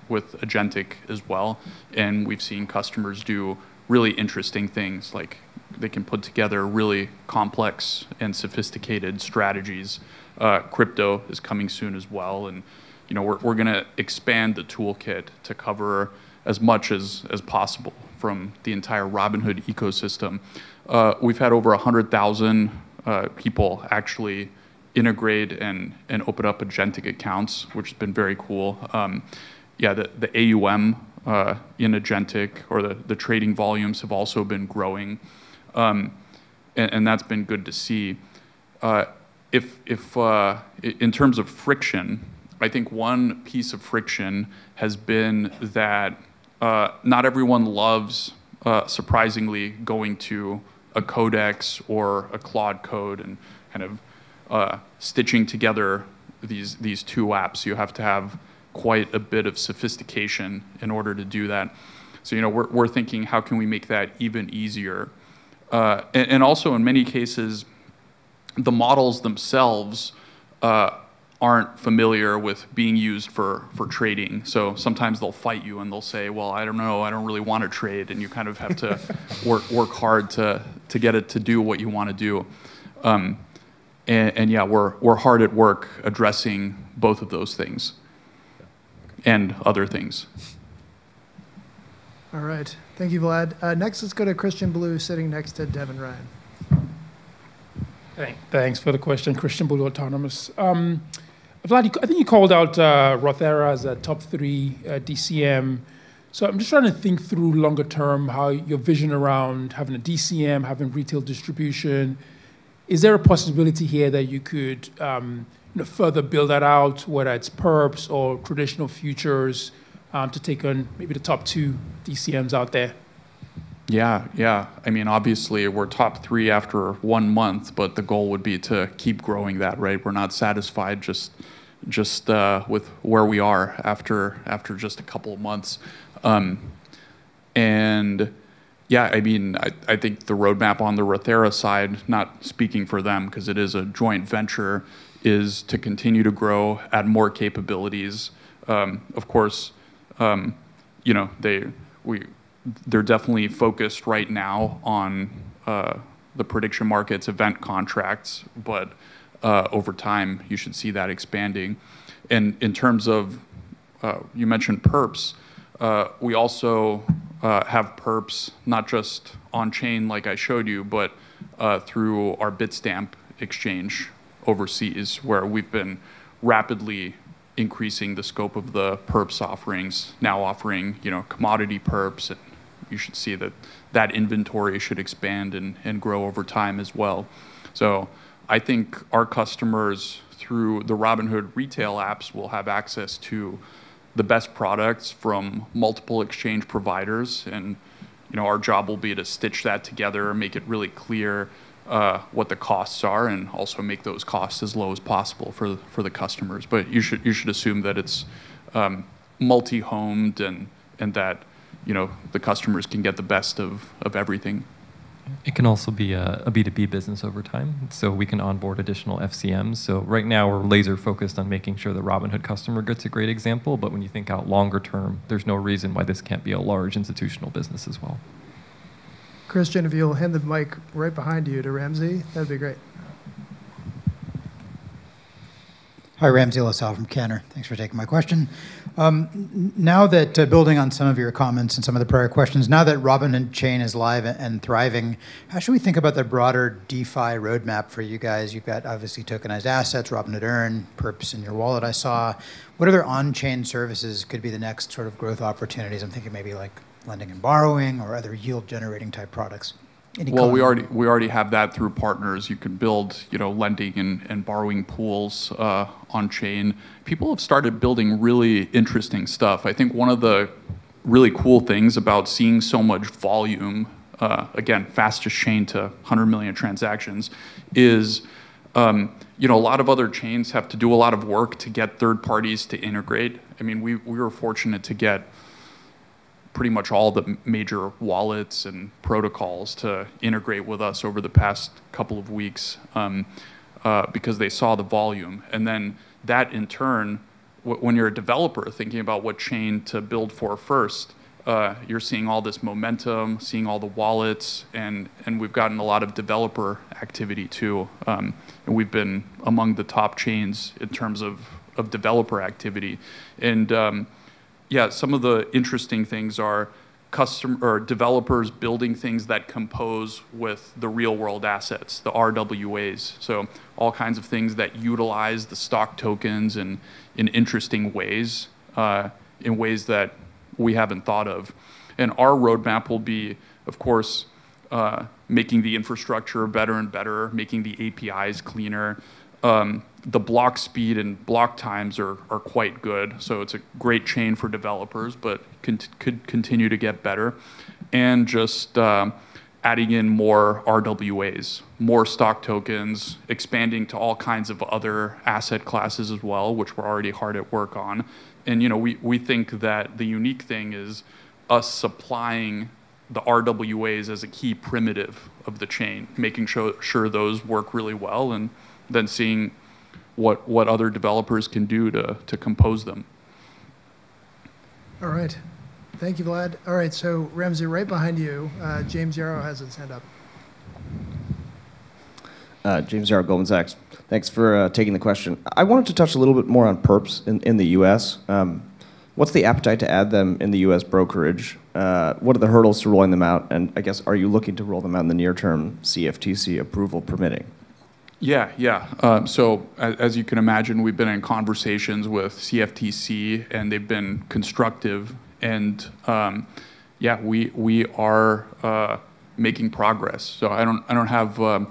with Agentic as well, and we've seen customers do really interesting things, like they can put together really complex and sophisticated strategies. Crypto is coming soon as well, and we're going to expand the toolkit to cover as much as possible from the entire Robinhood ecosystem. We've had over 100,000 people actually integrate and open up Agentic accounts, which has been very cool. Yeah, the AUM in Agentic or the trading volumes have also been growing. That's been good to see. In terms of friction, I think one piece of friction has been that not everyone loves, surprisingly, going to a Codex or a Claude code and kind of stitching together these two apps. You have to have quite a bit of sophistication in order to do that. We're thinking how can we make that even easier? In many cases, the models themselves aren't familiar with being used for trading, so sometimes they'll fight you and they'll say, "Well, I don't know, I don't really want to trade," and you kind of have to work hard to get it to do what you want to do. Yeah, we're hard at work addressing both of those things and other things. All right. Thank you, Vlad. Next, let's go to Christian Bolu sitting next to Devin Ryan. Thanks for the question. Christian Bolu, Autonomous. Vlad, I think you called out Rothera as a top three DCM. I'm just trying to think through longer term how your vision around having a DCM, having retail distribution, is there a possibility here that you could further build that out, whether it's perps or traditional futures, to take on maybe the top two DCMs out there? Yeah. Obviously, we're top three after one month, the goal would be to keep growing that, right? We're not satisfied just with where we are after just a couple of months. Yeah, I think the roadmap on the Rothera side, not speaking for them because it is a joint venture, is to continue to grow, add more capabilities. Of course, they're definitely focused right now on the prediction markets event contracts, over time, you should see that expanding. In terms of, you mentioned perps, we also have perps not just on-chain like I showed you, but through our Bitstamp exchange overseas, where we've been rapidly increasing the scope of the perps offerings, now offering commodity perps, and you should see that that inventory should expand and grow over time as well. I think our customers, through the Robinhood retail apps, will have access to the best products from multiple exchange providers. Our job will be to stitch that together, make it really clear what the costs are, and also make those costs as low as possible for the customers. You should assume that it's multi-homed and that the customers can get the best of everything. It can also be a B2B business over time, we can onboard additional FCMs. Right now, we're laser focused on making sure the Robinhood customer gets a great example, when you think out longer term, there's no reason why this can't be a large institutional business as well. Christian, if you'll hand the mic right behind you to Ramsey, that'd be great. Hi, Ramsey El-Assal from Cantor. Thanks for taking my question. Building on some of your comments and some of the prior questions, now that Robinhood Chain is live and thriving, how should we think about the broader DeFi roadmap for you guys? You've got obviously tokenized assets, Robinhood Earn, perps in your Wallet, I saw. What other on-chain services could be the next sort of growth opportunities? I'm thinking maybe like lending and borrowing or other yield-generating type products. Any comment? Well, we already have that through partners. You can build lending and borrowing pools on-chain. People have started building really interesting stuff. I think one of the really cool things about seeing so much volume, again, fastest chain to 100 million transactions is, a lot of other chains have to do a lot of work to get third parties to integrate. We were fortunate to get pretty much all the major wallets and protocols to integrate with us over the past couple of weeks, because they saw the volume. Then that in turn, when you're a developer thinking about what chain to build for first, you're seeing all this momentum, seeing all the wallets and we've gotten a lot of developer activity too. We've been among the top chains in terms of developer activity. Yeah, some of the interesting things are developers building things that compose with the real-world assets, the RWAs. All kinds of things that utilize the stock tokens in interesting ways, in ways that we haven't thought of. Our roadmap will be, of course, making the infrastructure better and better, making the APIs cleaner. The block speed and block times are quite good, so it's a great chain for developers, but could continue to get better. Just adding in more RWAs, more stock tokens, expanding to all kinds of other asset classes as well, which we're already hard at work on. We think that the unique thing is us supplying the RWAs as a key primitive of the chain, making sure those work really well, then seeing what other developers can do to compose them. All right. Thank you, Vlad. All right, Ramsey right behind you. James Yaro has his hand up. James Yaro, Goldman Sachs. Thanks for taking the question. I wanted to touch a little bit more on perps in the U.S. What's the appetite to add them in the U.S. brokerage? What are the hurdles to rolling them out? I guess are you looking to roll them out in the near term, CFTC approval permitting? Yeah. As you can imagine, we've been in conversations with CFTC, they've been constructive. Yeah, we are making progress. I don't have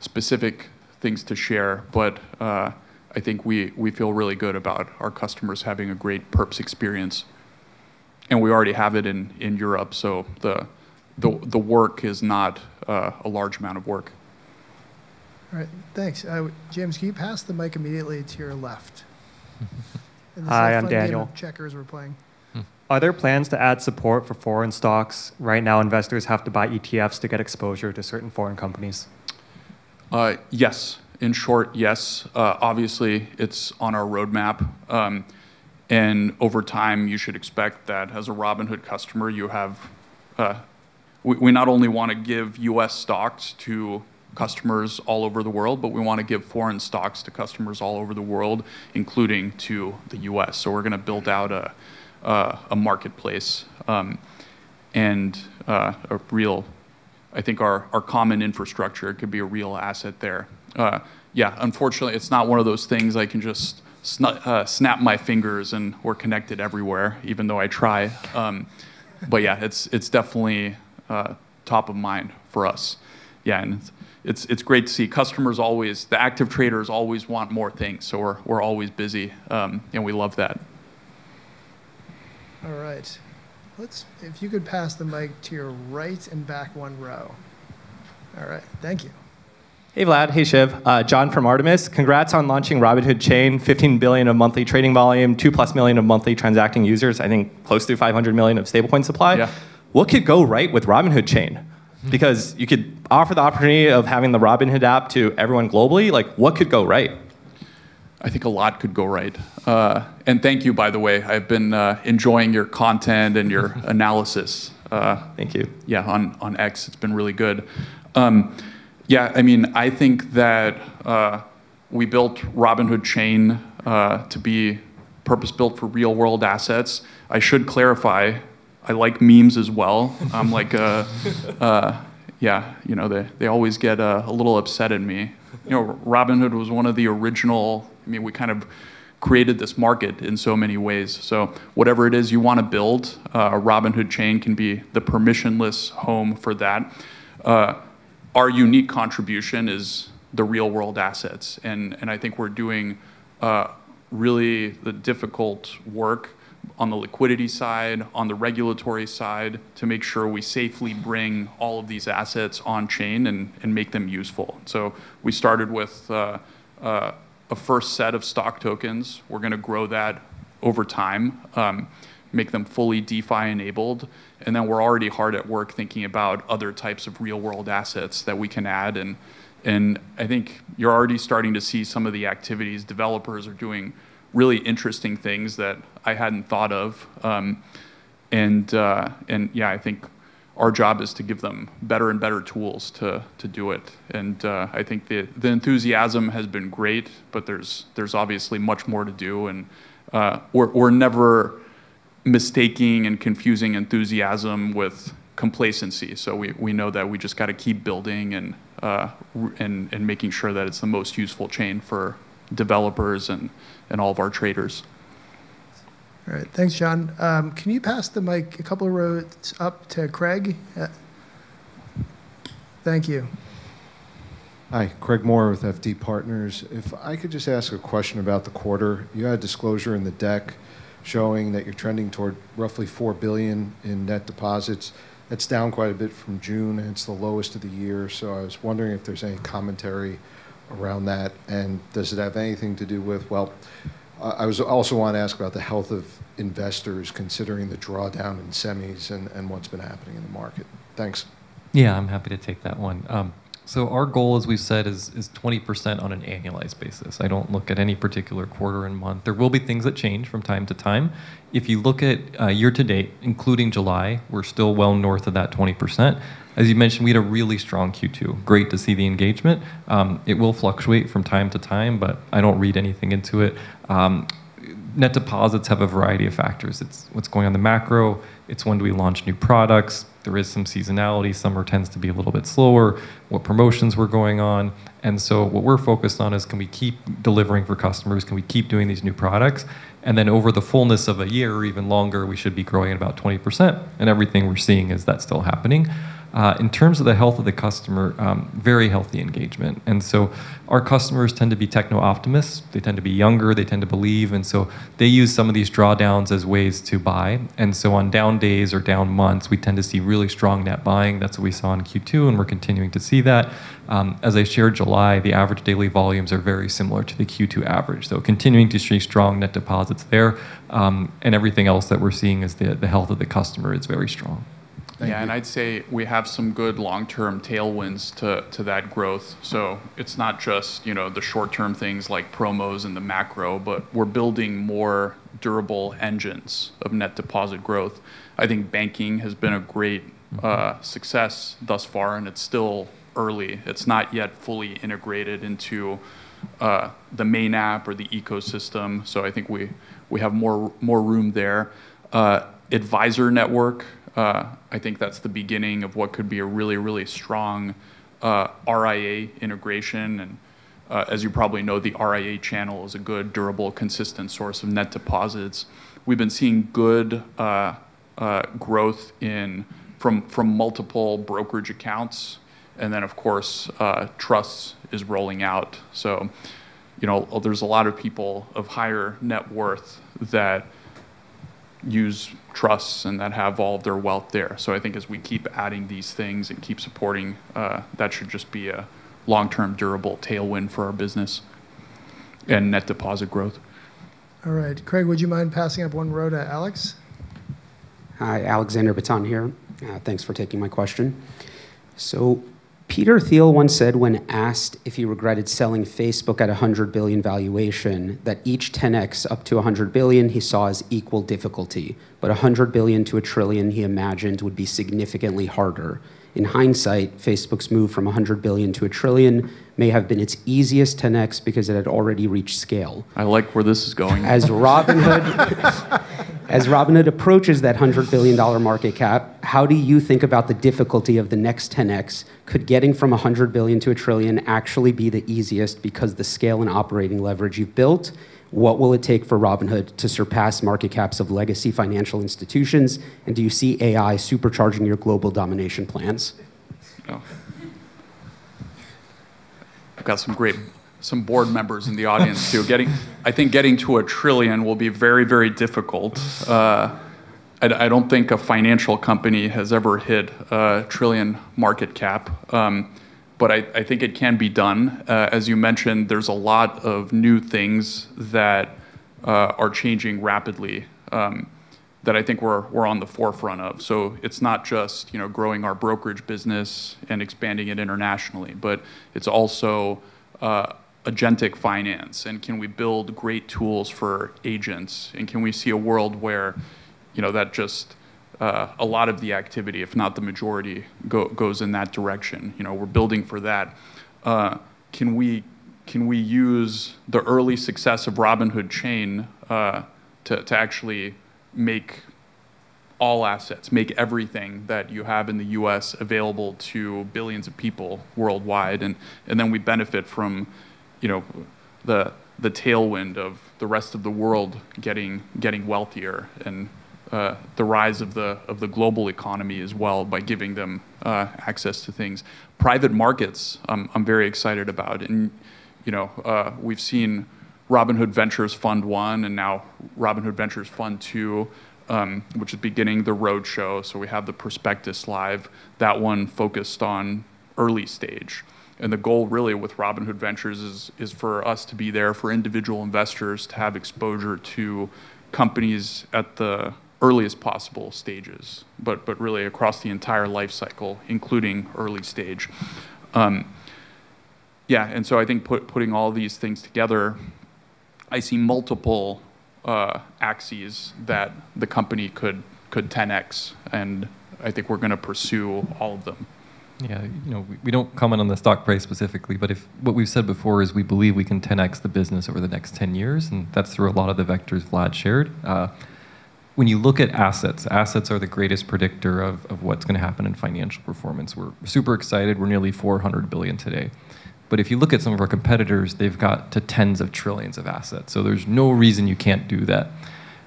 specific things to share, I think we feel really good about our customers having a great perps experience. We already have it in Europe, the work is not a large amount of work. All right. Thanks. James, can you pass the mic immediately to your left? Hi, I'm Daniel. This is like the game of checkers we're playing. Are there plans to add support for foreign stocks? Right now, investors have to buy ETFs to get exposure to certain foreign companies. Yes. In short, yes. Obviously, it's on our roadmap. Over time, you should expect that as a Robinhood customer, we not only want to give U.S. stocks to customers all over the world, but we want to give foreign stocks to customers all over the world, including to the U.S. We're going to build out a marketplace, and I think our common infrastructure could be a real asset there. Yeah, unfortunately, it's not one of those things I can just snap my fingers and we're connected everywhere, even though I try. Yeah, it's definitely top of mind for us. Yeah, it's great to see customers always, the active traders always want more things, so we're always busy. We love that. All right. If you could pass the mic to your right and back one row. All right. Thank you. Hey, Vlad. Hey, Shiv. John from Artemis. Congrats on launching Robinhood Chain, $15 billion of monthly trading volume, 2+ million of monthly transacting users, I think close to $500 million of stable coin supply. Yeah. What could go right with Robinhood Chain? You could offer the opportunity of having the Robinhood app to everyone globally. What could go right? I think a lot could go right. Thank you, by the way. I've been enjoying your content and your analysis. Thank you On X. It's been really good. I think that we built Robinhood Chain to be purpose-built for real-world assets. I should clarify, I like memes as well. They always get a little upset in me. We kind of created this market in so many ways. Whatever it is you want to build, a Robinhood Chain can be the permissionless home for that. Our unique contribution is the real-world assets, and I think we're doing really the difficult work on the liquidity side, on the regulatory side, to make sure we safely bring all of these assets on-chain and make them useful. We started with a first set of stock tokens. We're going to grow that over time, make them fully DeFi-enabled, and then we're already hard at work thinking about other types of real-world assets that we can add. I think you're already starting to see some of the activities. Developers are doing really interesting things that I hadn't thought of. I think our job is to give them better and better tools to do it. I think the enthusiasm has been great, but there's obviously much more to do. We're never mistaking and confusing enthusiasm with complacency. We know that we just got to keep building and making sure that it's the most useful chain for developers and all of our traders. Thanks, John. Can you pass the mic a couple of rows up to Craig? Thank you. Hi. Craig Maurer with FT Partners. If I could just ask a question about the quarter. You had a disclosure in the deck showing that you're trending toward roughly $4 billion in net deposits. That's down quite a bit from June. It's the lowest of the year. I was wondering if there's any commentary around that. I also want to ask about the health of investors considering the drawdown in semis and what's been happening in the market. Thanks. Yeah, I'm happy to take that one. Our goal, as we've said, is 20% on an annualized basis. I don't look at any particular quarter and month. There will be things that change from time to time. If you look at year to date, including July, we're still well north of that 20%. As you mentioned, we had a really strong Q2. Great to see the engagement. It will fluctuate from time to time, but I don't read anything into it. Net deposits have a variety of factors. It's what's going on in the macro. It's when do we launch new products. There is some seasonality. Summer tends to be a little bit slower. What promotions were going on. What we're focused on is can we keep delivering for customers, can we keep doing these new products, and then over the fullness of a year or even longer, we should be growing at about 20%. Everything we're seeing is that's still happening. In terms of the health of the customer, very healthy engagement. Our customers tend to be techno-optimists. They tend to be younger. They tend to believe, they use some of these drawdowns as ways to buy. On down days or down months, we tend to see really strong net buying. That's what we saw in Q2 and we're continuing to see that. As I shared, July, the average daily volumes are very similar to the Q2 average. Continuing to see strong net deposits there. Everything else that we're seeing is the health of the customer is very strong. Yeah, I'd say we have some good long-term tailwinds to that growth. It's not just the short-term things like promos and the macro, but we're building more durable engines of net deposit growth. I think banking has been a great success thus far, and it's still early. It's not yet fully integrated into the main app or the ecosystem. I think we have more room there. Advisor Network, I think that's the beginning of what could be a really, really strong RIA integration. As you probably know, the RIA channel is a good, durable, consistent source of net deposits. We've been seeing good growth from multiple brokerage accounts. Then of course, trusts is rolling out. There's a lot of people of higher net worth that use trusts and that have all of their wealth there. I think as we keep adding these things and keep supporting, that should just be a long-term durable tailwind for our business and net deposit growth. All right. Craig, would you mind passing up one row to Alex? Hi, Alexander Blostein here. Thanks for taking my question. Peter Thiel once said when asked if he regretted selling Facebook at $100 billion valuation, that each 10x up to $100 billion he saw as equal difficulty, but $100 billion to a trillion he imagined would be significantly harder. In hindsight, Facebook's move from $100 billion to a trillion may have been its easiest 10x because it had already reached scale. I like where this is going. As Robinhood approaches that $100 billion market cap, how do you think about the difficulty of the next 10x? Could getting from $100 billion to a trillion actually be the easiest because the scale and operating leverage you've built? What will it take for Robinhood to surpass market caps of legacy financial institutions? Do you see AI supercharging your global domination plans? I've got some board members in the audience, too. I think getting to a trillion will be very, very difficult. I don't think a financial company has ever hit a trillion market cap. I think it can be done. As you mentioned, there's a lot of new things that are changing rapidly that I think we're on the forefront of. It's not just growing our brokerage business and expanding it internationally, but it's also agentic finance, can we build great tools for agents, can we see a world where just a lot of the activity, if not the majority, goes in that direction? We're building for that. Can we use the early success of Robinhood Chain to actually make all assets, make everything that you have in the U.S. available to billions of people worldwide? We benefit from the tailwind of the rest of the world getting wealthier and the rise of the global economy as well by giving them access to things. Private markets, I'm very excited about. We've seen Robinhood Ventures Fund I and now Robinhood Ventures Fund II, which is beginning the roadshow. We have the prospectus live. That one focused on early stage. The goal really with Robinhood Ventures is for us to be there for individual investors to have exposure to companies at the earliest possible stages, but really across the entire life cycle, including early stage. I think putting all these things together, I see multiple axes that the company could 10x, and I think we're going to pursue all of them. We don't comment on the stock price specifically, but what we've said before is we believe we can 10x the business over the next 10 years, that's through a lot of the vectors Vlad shared. When you look at assets are the greatest predictor of what's going to happen in financial performance. We're super excited. We're nearly $400 billion today. If you look at some of our competitors, they've got to tens of trillions of assets. There's no reason you can't do that.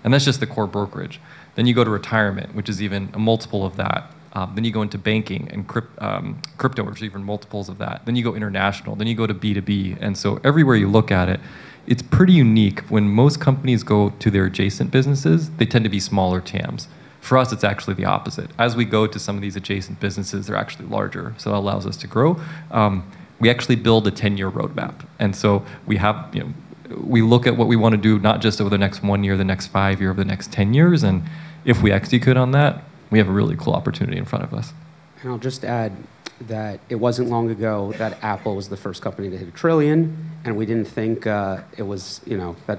That's just the core brokerage. You go to retirement, which is even a multiple of that. You go into banking and crypto, which are even multiples of that. You go international, you go to B2B, everywhere you look at it's pretty unique. When most companies go to their adjacent businesses, they tend to be smaller TAMs. For us, it's actually the opposite. As we go to some of these adjacent businesses, they're actually larger, that allows us to grow. We actually build a 10-year roadmap, we look at what we want to do, not just over the next one year, the next five year, or the next 10 years, if we execute on that, we have a really cool opportunity in front of us. I'll just add that it wasn't long ago that Apple was the first company to hit a $1 trillion, we didn't think that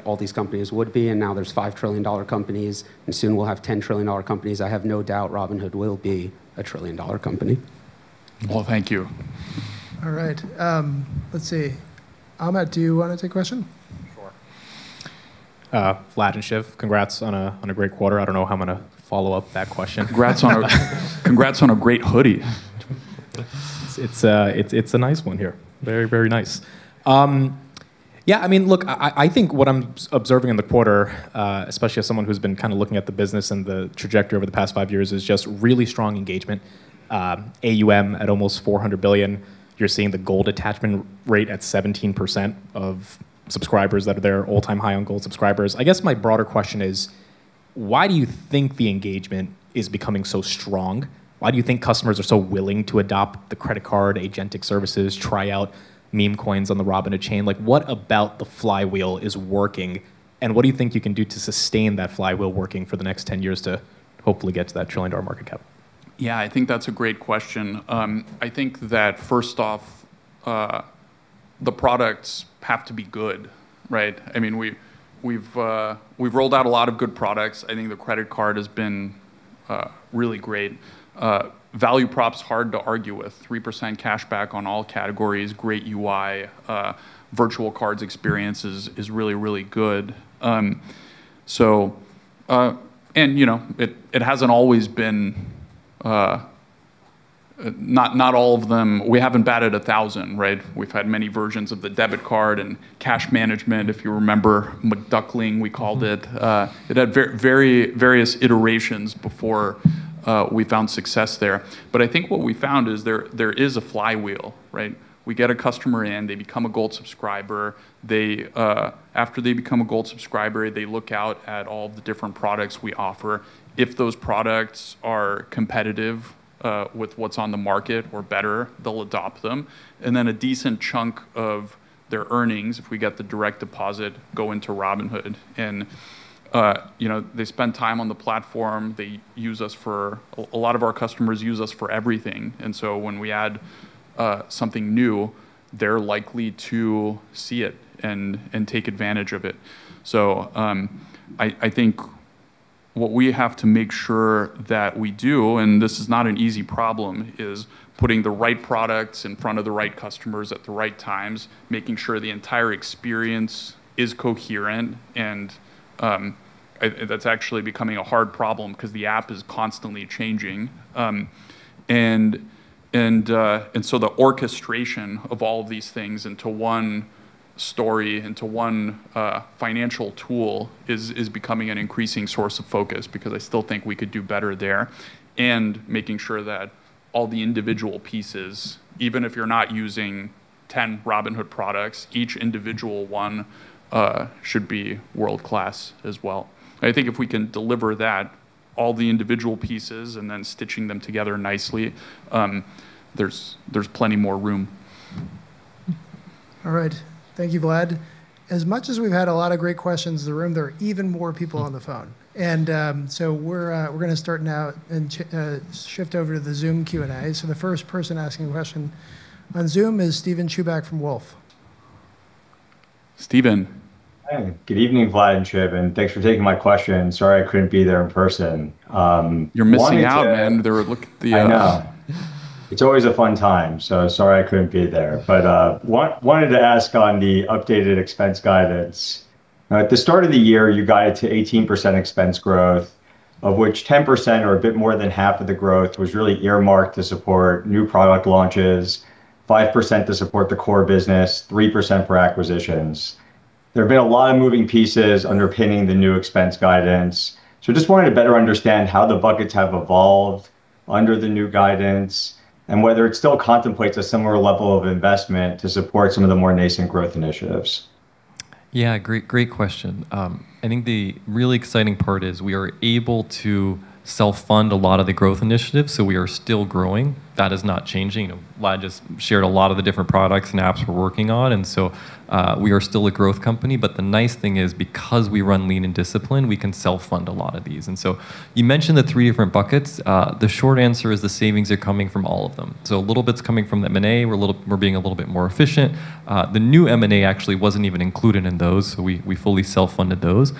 all these companies would be, now there's $5 trillion companies, soon we'll have $10 trillion companies. I have no doubt Robinhood will be a trillion-dollar company. Thank you. All right. Let's see. Ahmed, do you want to take a question? Sure. Vlad and Shiv, congrats on a great quarter. I don't know how I'm going to follow up that question. Congrats on a great hoodie. Yeah, look, I think what I'm observing in the quarter, especially as someone who's been looking at the business and the trajectory over the past five years, is just really strong engagement. AUM at almost $400 billion. You're seeing the Robinhood Gold attachment rate at 17% of subscribers that are there, all-time high on Robinhood Gold subscribers. I guess my broader question is, why do you think the engagement is becoming so strong? Why do you think customers are so willing to adopt the credit card, agentic services, try out meme coins on the Robinhood Chain? What about the flywheel is working, and what do you think you can do to sustain that flywheel working for the next 10 years to hopefully get to that trillion-dollar market cap? Yeah, that's a great question. First off, the products have to be good, right? We've rolled out a lot of good products. The credit card has been really great. Value prop's hard to argue with, 3% cash back on all categories, great UI, virtual cards experience is really, really good. We haven't batted 1,000, right? We've had many versions of the debit card and cash management, if you remember McDuckling, we called it. It had various iterations before we found success there. What we found is there is a flywheel, right? We get a customer in, they become a Gold subscriber. After they become a Gold subscriber, they look out at all the different products we offer. If those products are competitive with what's on the market or better, they'll adopt them. A decent chunk of their earnings, if we get the direct deposit, go into Robinhood. They spend time on the platform. A lot of our customers use us for everything, when we add something new, they're likely to see it and take advantage of it. What we have to make sure that we do, and this is not an easy problem, is putting the right products in front of the right customers at the right times, making sure the entire experience is coherent, and that's actually becoming a hard problem because the app is constantly changing. The orchestration of all of these things into one story, into one financial tool is becoming an increasing source of focus because I still think we could do better there. Making sure that all the individual pieces, even if you're not using 10 Robinhood products, each individual one should be world-class as well. If we can deliver that, all the individual pieces and then stitching them together nicely, there's plenty more room. All right. Thank you, Vlad. As much as we've had a lot of great questions in the room, there are even more people on the phone, we're going to start now and shift over to the Zoom Q&A. The first person asking a question on Zoom is Steven Chubak from Wolfe. Steven. Hey. Good evening, Vlad and Shiv, thanks for taking my question. Sorry I couldn't be there in person. You're missing out, man. I know. It's always a fun time, so sorry I couldn't be there. I wanted to ask on the updated expense guidance. At the start of the year, you guided to 18% expense growth, of which 10% or a bit more than half of the growth was really earmarked to support new product launches, 5% to support the core business, 3% for acquisitions. There have been a lot of moving pieces underpinning the new expense guidance, I just wanted to better understand how the buckets have evolved Under the new guidance, whether it still contemplates a similar level of investment to support some of the more nascent growth initiatives? Yeah, great question. I think the really exciting part is we are able to self-fund a lot of the growth initiatives. We are still growing. That is not changing. Vlad just shared a lot of the different products and apps we're working on. We are still a growth company. The nice thing is because we run lean and discipline, we can self-fund a lot of these. You mentioned the three different buckets. The short answer is the savings are coming from all of them. A little bit's coming from the M&A. We're being a little bit more efficient. The new M&A actually wasn't even included in those. We fully self-funded those.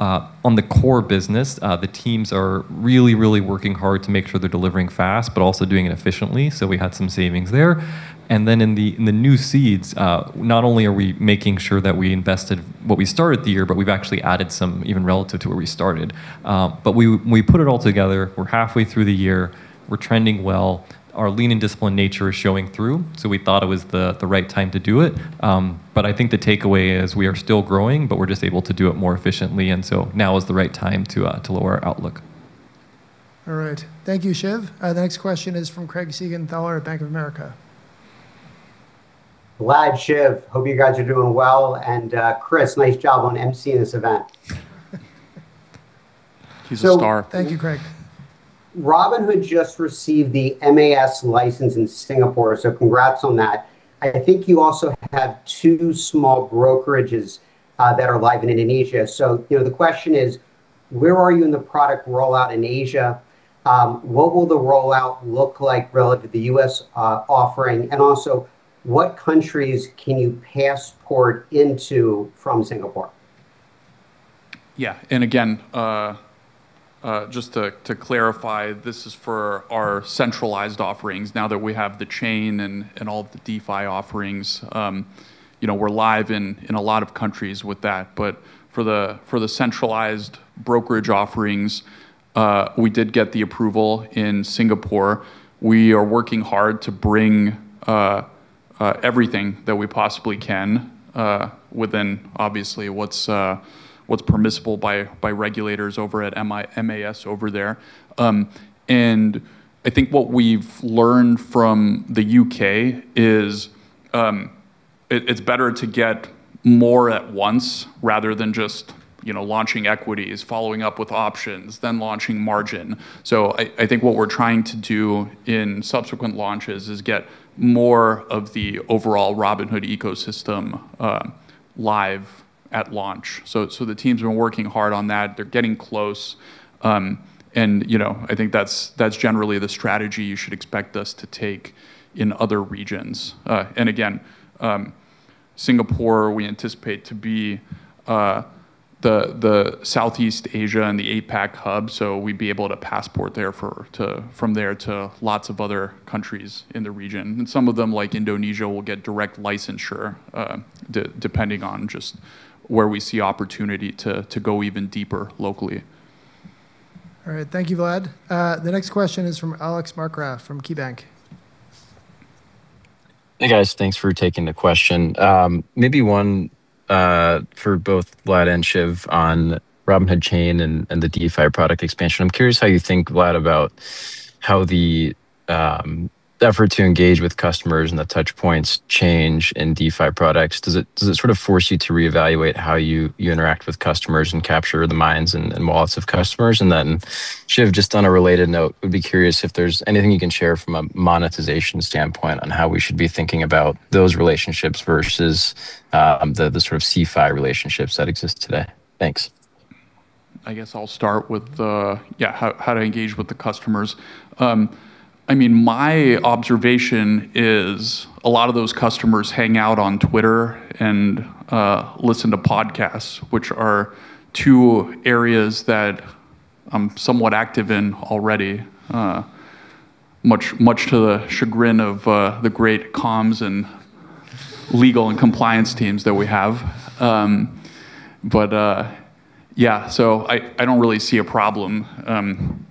On the core business, the teams are really, really working hard to make sure they're delivering fast, but also doing it efficiently. We had some savings there. In the new seeds, not only are we making sure that we invested what we started the year, but we've actually added some even relative to where we started. We put it all together. We're halfway through the year. We're trending well. Our lean and discipline nature is showing through. We thought it was the right time to do it. I think the takeaway is we are still growing, but we're just able to do it more efficiently. Now is the right time to lower our outlook. All right. Thank you, Shiv. The next question is from Craig Siegenthaler at Bank of America. Vlad, Shiv, hope you guys are doing well. Chris, nice job on MCing this event. He's a star. Thank you, Craig. Robinhood just received the MAS license in Singapore, congrats on that. I think you also have two small brokerages that are live in Indonesia. The question is, where are you in the product rollout in Asia? What will the rollout look like relative to the U.S. offering, and also, what countries can you passport into from Singapore? Yeah. Again, just to clarify, this is for our centralized offerings. Now that we have the chain and all the DeFi offerings, we're live in a lot of countries with that. But for the centralized brokerage offerings, we did get the approval in Singapore. We are working hard to bring everything that we possibly can within obviously what's permissible by regulators over at MAS over there. I think what we've learned from the U.K. is it's better to get more at once rather than just launching equities, following up with options, then launching margin. I think what we're trying to do in subsequent launches is get more of the overall Robinhood ecosystem live at launch. The team's been working hard on that. They're getting close. I think that's generally the strategy you should expect us to take in other regions. Singapore, we anticipate to be the Southeast Asia and the APAC hub, so we'd be able to passport from there to lots of other countries in the region. Some of them, like Indonesia, will get direct licensure, depending on just where we see opportunity to go even deeper locally. All right. Thank you, Vlad. The next question is from Alex Markgraff from KeyBanc. Hey, guys. Thanks for taking the question. Maybe one for both Vlad and Shiv on Robinhood Chain and the DeFi product expansion. I'm curious how you think, Vlad, about how the effort to engage with customers and the touchpoints change in DeFi products. Does it sort of force you to reevaluate how you interact with customers and capture the minds and wallets of customers? Shiv, just on a related note, would be curious if there's anything you can share from a monetization standpoint on how we should be thinking about those relationships versus the sort of CeFi relationships that exist today. Thanks. I guess I'll start with how to engage with the customers. My observation is a lot of those customers hang out on Twitter and listen to podcasts, which are two areas that I'm somewhat active in already, much to the chagrin of the great comms and legal and compliance teams that we have. Yeah. I don't really see a problem.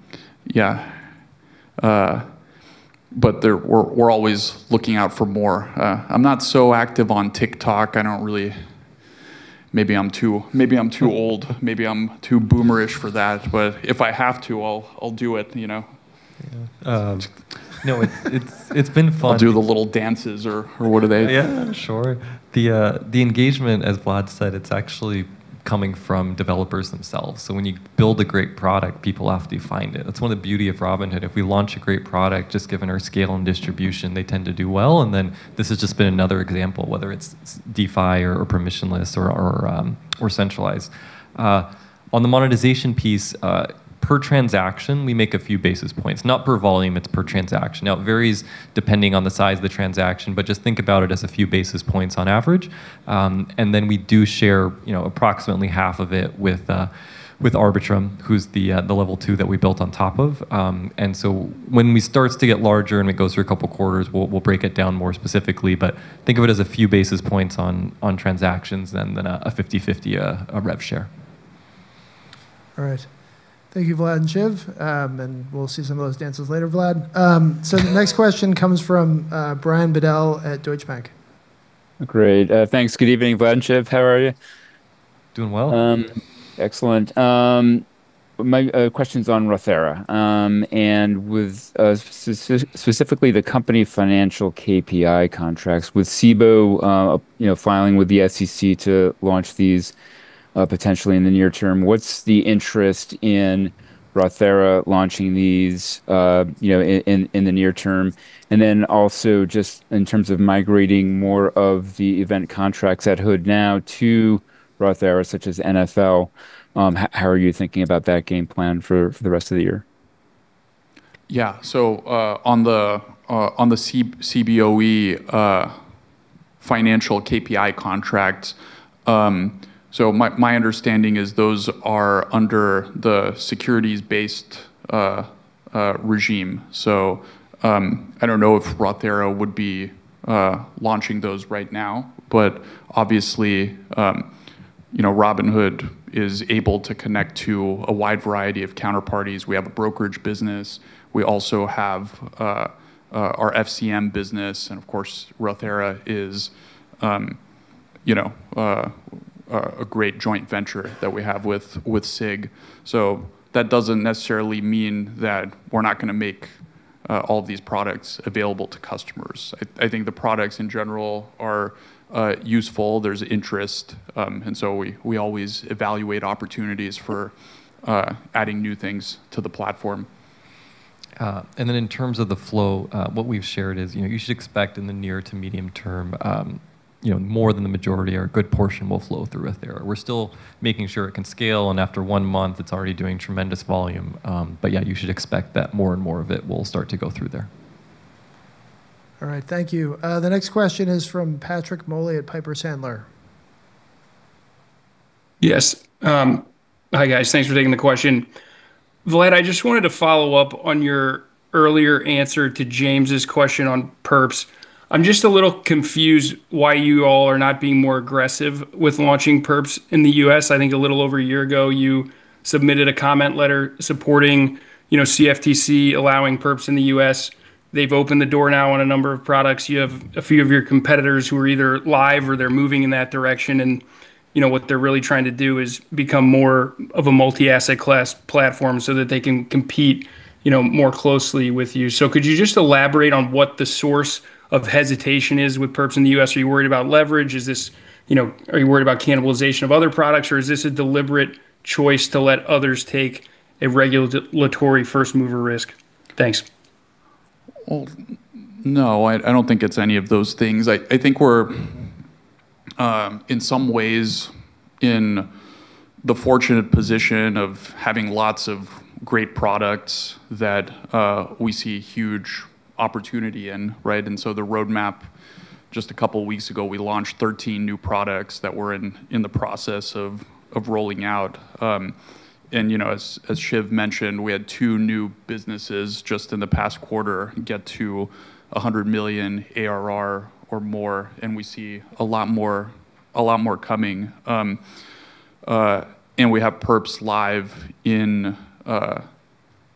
Yeah. We're always looking out for more. I'm not so active on TikTok. Maybe I'm too old. Maybe I'm too boomer-ish for that, but if I have to, I'll do it. Yeah. No, it's been fun. I'll do the little dances or what do they. Yeah, sure. The engagement, as Vlad said, it's actually coming from developers themselves. When you build a great product, people often find it. That's one of the beauty of Robinhood. If we launch a great product, just given our scale and distribution, they tend to do well. This has just been another example, whether it's DeFi or permissionless or centralized. On the monetization piece, per transaction, we make a few basis points. Not per volume, it's per transaction. Now it varies depending on the size of the transaction but just think about it as a few basis points on average. We do share approximately half of it with Arbitrum, who's the level two that we built on top of. When it starts to get larger and it goes through a couple of quarters, we'll break it down more specifically but think of it as a few basis points on transactions than a 50/50 rev share. All right. Thank you, Vlad and Shiv. We'll see some of those dances later, Vlad. The next question comes from Brian Bedell at Deutsche Bank. Great. Thanks. Good evening, Vlad and Shiv. How are you? Doing well. Excellent. My question's on Rothera, with specifically the company financial KPI contracts. With Cboe filing with the SEC to launch these potentially in the near term, what's the interest in Rothera launching these in the near term? Then also just in terms of migrating more of the event contracts at Hood now to Rothera, such as NFL, how are you thinking about that game plan for the rest of the year? Yeah. On the Cboe financial KPI contract, my understanding is those are under the securities-based regime. I don't know if Rothera would be launching those right now, but obviously, Robinhood is able to connect to a wide variety of counterparties. We have a brokerage business. We also have our FCM business, and of course, Rothera is a great joint venture that we have with SIG. That doesn't necessarily mean that we're not going to make all these products available to customers. I think the products, in general, are useful. There's interest. We always evaluate opportunities for adding new things to the platform. In terms of the flow, what we've shared is you should expect in the near to medium term more than the majority or a good portion will flow through Rothera. We're still making sure it can scale, and after one month, it's already doing tremendous volume. You should expect that more and more of it will start to go through there. All right. Thank you. The next question is from Patrick Moley at Piper Sandler. Yes. Hi, guys. Thanks for taking the question. Vlad, I just wanted to follow up on your earlier answer to James's question on perps. I'm just a little confused why you all are not being more aggressive with launching perps in the U.S. I think a little over a year ago, you submitted a comment letter supporting CFTC allowing perps in the U.S. They've opened the door now on a number of products. You have a few of your competitors who are either live or they're moving in that direction, and what they're really trying to do is become more of a multi-asset class platform so that they can compete more closely with you. Could you just elaborate on what the source of hesitation is with perps in the U.S.? Are you worried about leverage? Are you worried about cannibalization of other products, or is this a deliberate choice to let others take a regulatory first-mover risk? Thanks. No, I don't think it's any of those things. I think we're, in some ways, in the fortunate position of having lots of great products that we see a huge opportunity in, right? The roadmap, just a couple of weeks ago, we launched 13 new products that we're in the process of rolling out. As Shiv mentioned, we had two new businesses just in the past quarter get to $100 million ARR or more, and we see a lot more coming. We have perps live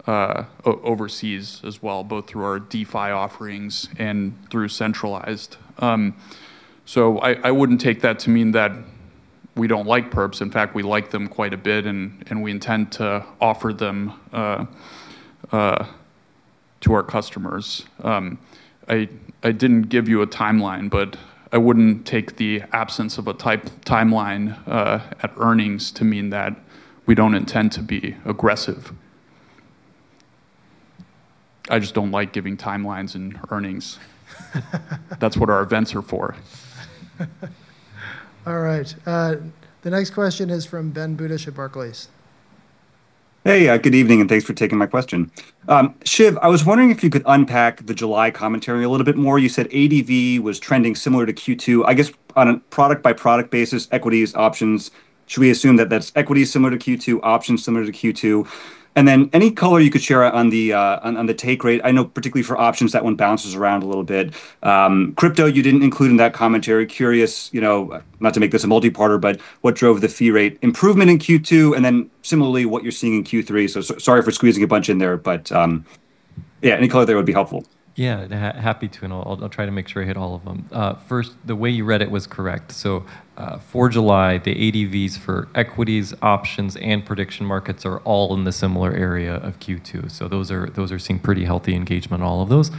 overseas as well, both through our DeFi offerings and through centralized. I wouldn't take that to mean that we don't like perps. In fact, we like them quite a bit, and we intend to offer them to our customers. I didn't give you a timeline, but I wouldn't take the absence of a timeline at earnings to mean that we don't intend to be aggressive. I just don't like giving timelines and earnings. That's what our events are for. All right. The next question is from Ben Budish at Barclays. Hey. Good evening, and thanks for taking my question. Shiv, I was wondering if you could unpack the July commentary a little bit more. You said ADV was trending similar to Q2. I guess on a product-by-product basis, equities, options, should we assume that that's equities similar to Q2, options similar to Q2? Any color you could share on the take rate. I know particularly for options, that one bounces around a little bit. Crypto, you didn't include in that commentary. Curious, not to make this a multi-parter, what drove the fee rate improvement in Q2, similarly, what you're seeing in Q3. Sorry for squeezing a bunch in there, yeah, any color there would be helpful. Yeah. Happy to, I'll try to make sure I hit all of them. First, the way you read it was correct. For July, the ADVs for equities, options, and prediction markets are all in the similar area of Q2. Those are seeing pretty healthy engagement, all of those.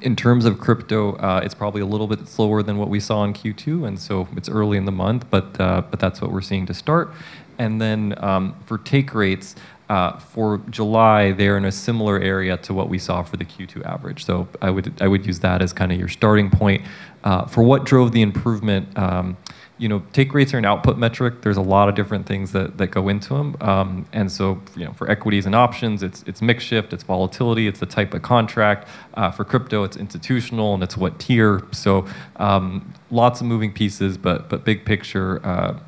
In terms of crypto, it's probably a little bit slower than what we saw in Q2, it's early in the month, that's what we're seeing to start. For take rates, for July, they're in a similar area to what we saw for the Q2 average. I would use that as kind of your starting point. For what drove the improvement, take rates are an output metric. There's a lot of different things that go into them. For equities and options, it's mix shift, its volatility, it's the type of contract. For crypto, it's institutional and it's what tier. Lots of moving pieces, big picture,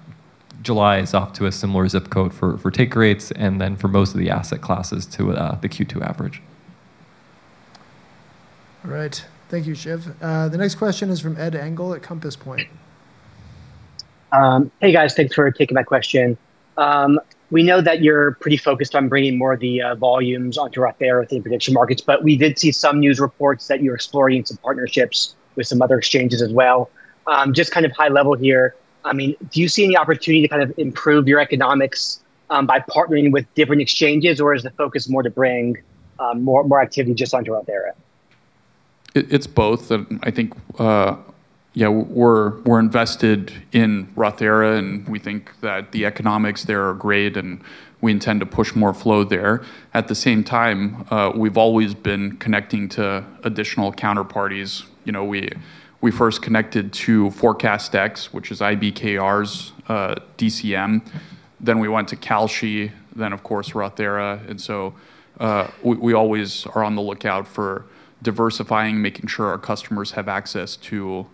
July is off to a similar zip code for take rates, for most of the asset classes to the Q2 average. All right. Thank you, Shiv. The next question is from Ed Engel at Compass Point. Hey, guys. Thanks for taking my question. We know that you're pretty focused on bringing more of the volumes onto Rothera with the prediction markets, but we did see some news reports that you're exploring some partnerships with some other exchanges as well. Just kind of high level here, do you see any opportunity to improve your economics by partnering with different exchanges, or is the focus more to bring more activity just onto Rothera? It's both. I think, we're invested in Rothera, and we think that the economics there are great, and we intend to push more flow there. At the same time, we've always been connecting to additional counterparties. We first connected to ForecastEx, which is IBKR's DCM. Then we went to Kalshi, then, of course, Rothera. We always are on the lookout for diversifying, making sure our customers have access to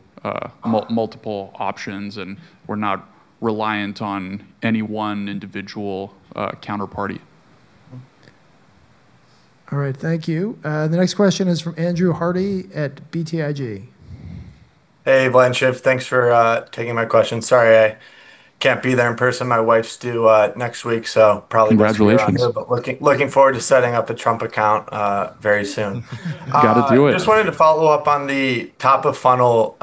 multiple options, and we're not reliant on any one individual counterparty. All right. Thank you. The next question is from Andrew Harte at BTIG. Hey, Vlad, Shiv. Thanks for taking my question. Sorry I can't be there in person. My wife's due next week. Congratulations. Not too wrong here but looking forward to setting up a Trump Account very soon. Got to do it. Just wanted to follow up on the top of funnel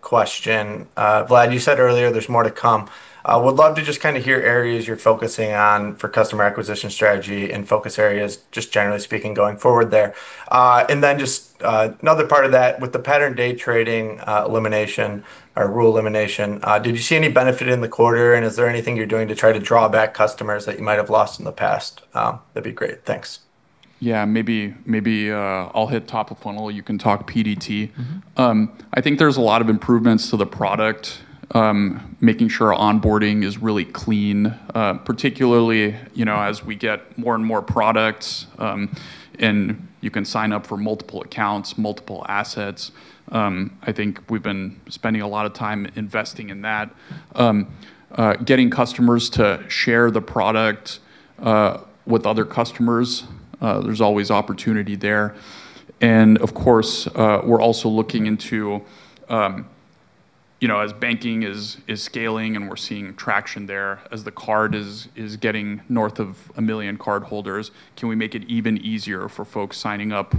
question. Vlad, you said earlier there's more to come. Would love to just hear areas you're focusing on for customer acquisition strategy and focus areas, just generally speaking, going forward there. Then just another part of that, with the pattern day trading elimination or rule elimination, did you see any benefit in the quarter? And is there anything you're doing to try to draw back customers that you might have lost in the past? That'd be great. Thanks. Yeah. Maybe I'll hit top of funnel. You can talk PDT. I think there's a lot of improvements to the product, making sure our onboarding is really clean, particularly as we get more and more products, and you can sign up for multiple accounts, multiple assets. I think we've been spending a lot of time investing in that. Getting customers to share the product with other customers, there's always opportunity there. Of course, we're also looking into, as banking is scaling and we're seeing traction there, as the card is getting north of a million cardholders, can we make it even easier for folks signing up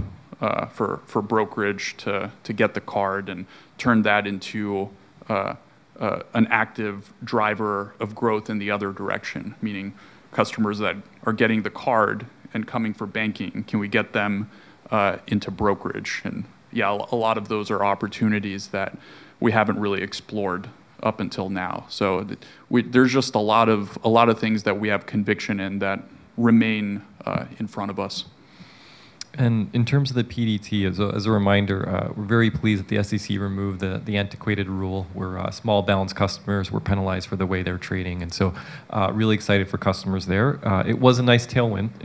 for brokerage to get the card and turn that into an active driver of growth in the other direction? Meaning customers that are getting the card and coming for banking, can we get them into brokerage? A lot of those are opportunities that we haven't really explored up until now. There's just a lot of things that we have conviction in that remain in front of us. In terms of the PDT, as a reminder, we're very pleased that the SEC removed the antiquated rule where small balance customers were penalized for the way they're trading. Really excited for customers there. It was a nice tailwind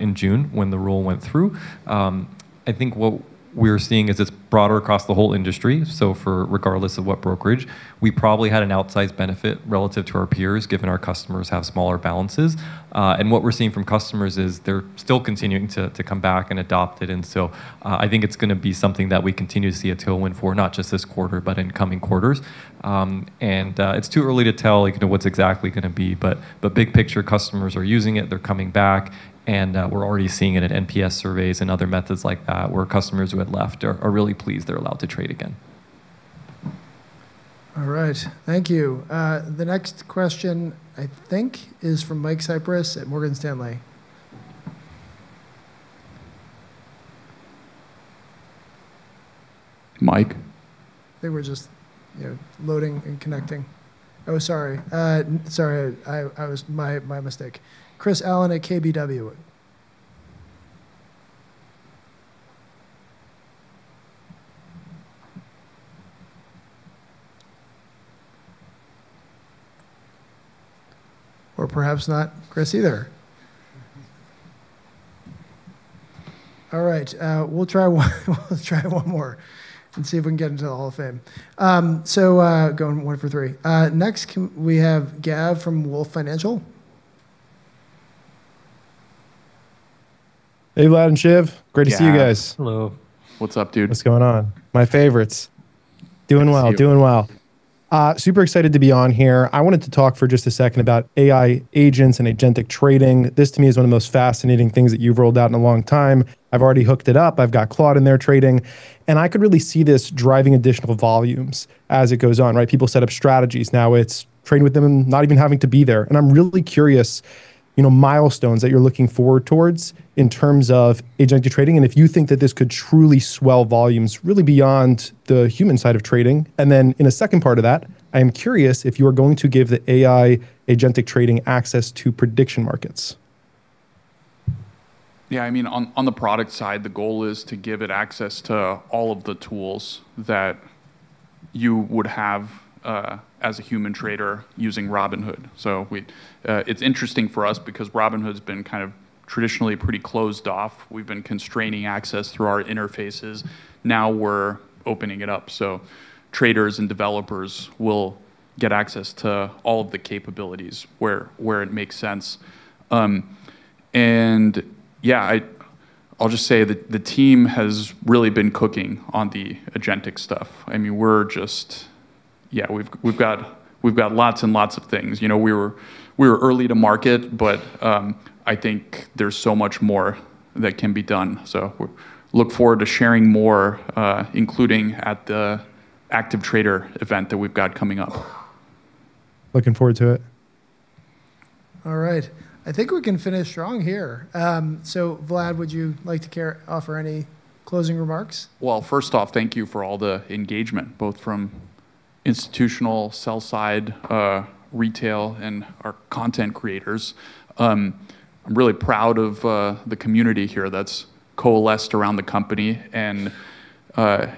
in June when the rule went through. What we're seeing is it's broader across the whole industry, regardless of what brokerage. We probably had an outsized benefit relative to our peers, given our customers have smaller balances. What we're seeing from customers is they're still continuing to come back and adopt it. It's going to be something that we continue to see a tailwind for, not just this quarter, but in coming quarters. It's too early to tell what it's exactly going to be, but big picture, customers are using it. They're coming back, and we're already seeing it at NPS surveys and other methods like that, where customers who had left are really pleased they're allowed to trade again. All right. Thank you. The next question, I think, is from Mike Cyprys at Morgan Stanley. Mike? They were just loading and connecting. Oh, sorry. My mistake. Chris Allen at KBW. Or perhaps not Chris either. All right. We'll try one more and see if we can get into the hall of fame. Going one for three. Next, we have Gav from WOLF Financial. Hey, Vlad and Shiv. Great to see you guys. Gav. Hello. What's up, dude. What's going on? My favorites. Good to see you. Doing well. Super excited to be on here. I wanted to talk for just a second about AI agents and agentic trading. This, to me, is one of the most fascinating things that you've rolled out in a long time. I've already hooked it up. I've got Claude in there trading, and I could really see this driving additional volumes as it goes on, right? People set up strategies. Now it's trading with them and not even having to be there. I'm really curious, milestones that you're looking forward towards in terms of agentic trading, and if you think that this could truly swell volumes really beyond the human side of trading? In a second part of that, I am curious if you are going to give the AI agentic trading access to prediction markets? Yeah. On the product side, the goal is to give it access to all of the tools that you would have as a human trader using Robinhood. It's interesting for us because Robinhood's been kind of traditionally pretty closed off. We've been constraining access through our interfaces. Now we're opening it up, so traders and developers will get access to all of the capabilities where it makes sense. Yeah, I'll just say that the team has really been cooking on the agentic stuff. We've got lots and lots of things. We were early to market, but I think there's so much more that can be done. We look forward to sharing more, including at the active trader event that we've got coming up. Looking forward to it. All right. I think we can finish strong here. Vlad, would you like to offer any closing remarks? First off, thank you for all the engagement, both from institutional, sell side, retail, and our content creators. I'm really proud of the community here that's coalesced around the company.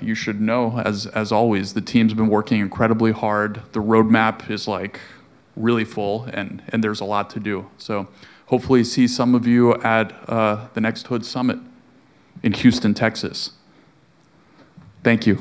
You should know, as always, the team's been working incredibly hard. The roadmap is really full, there's a lot to do. Hopefully see some of you at the next HOOD Summit in Houston, Texas. Thank you.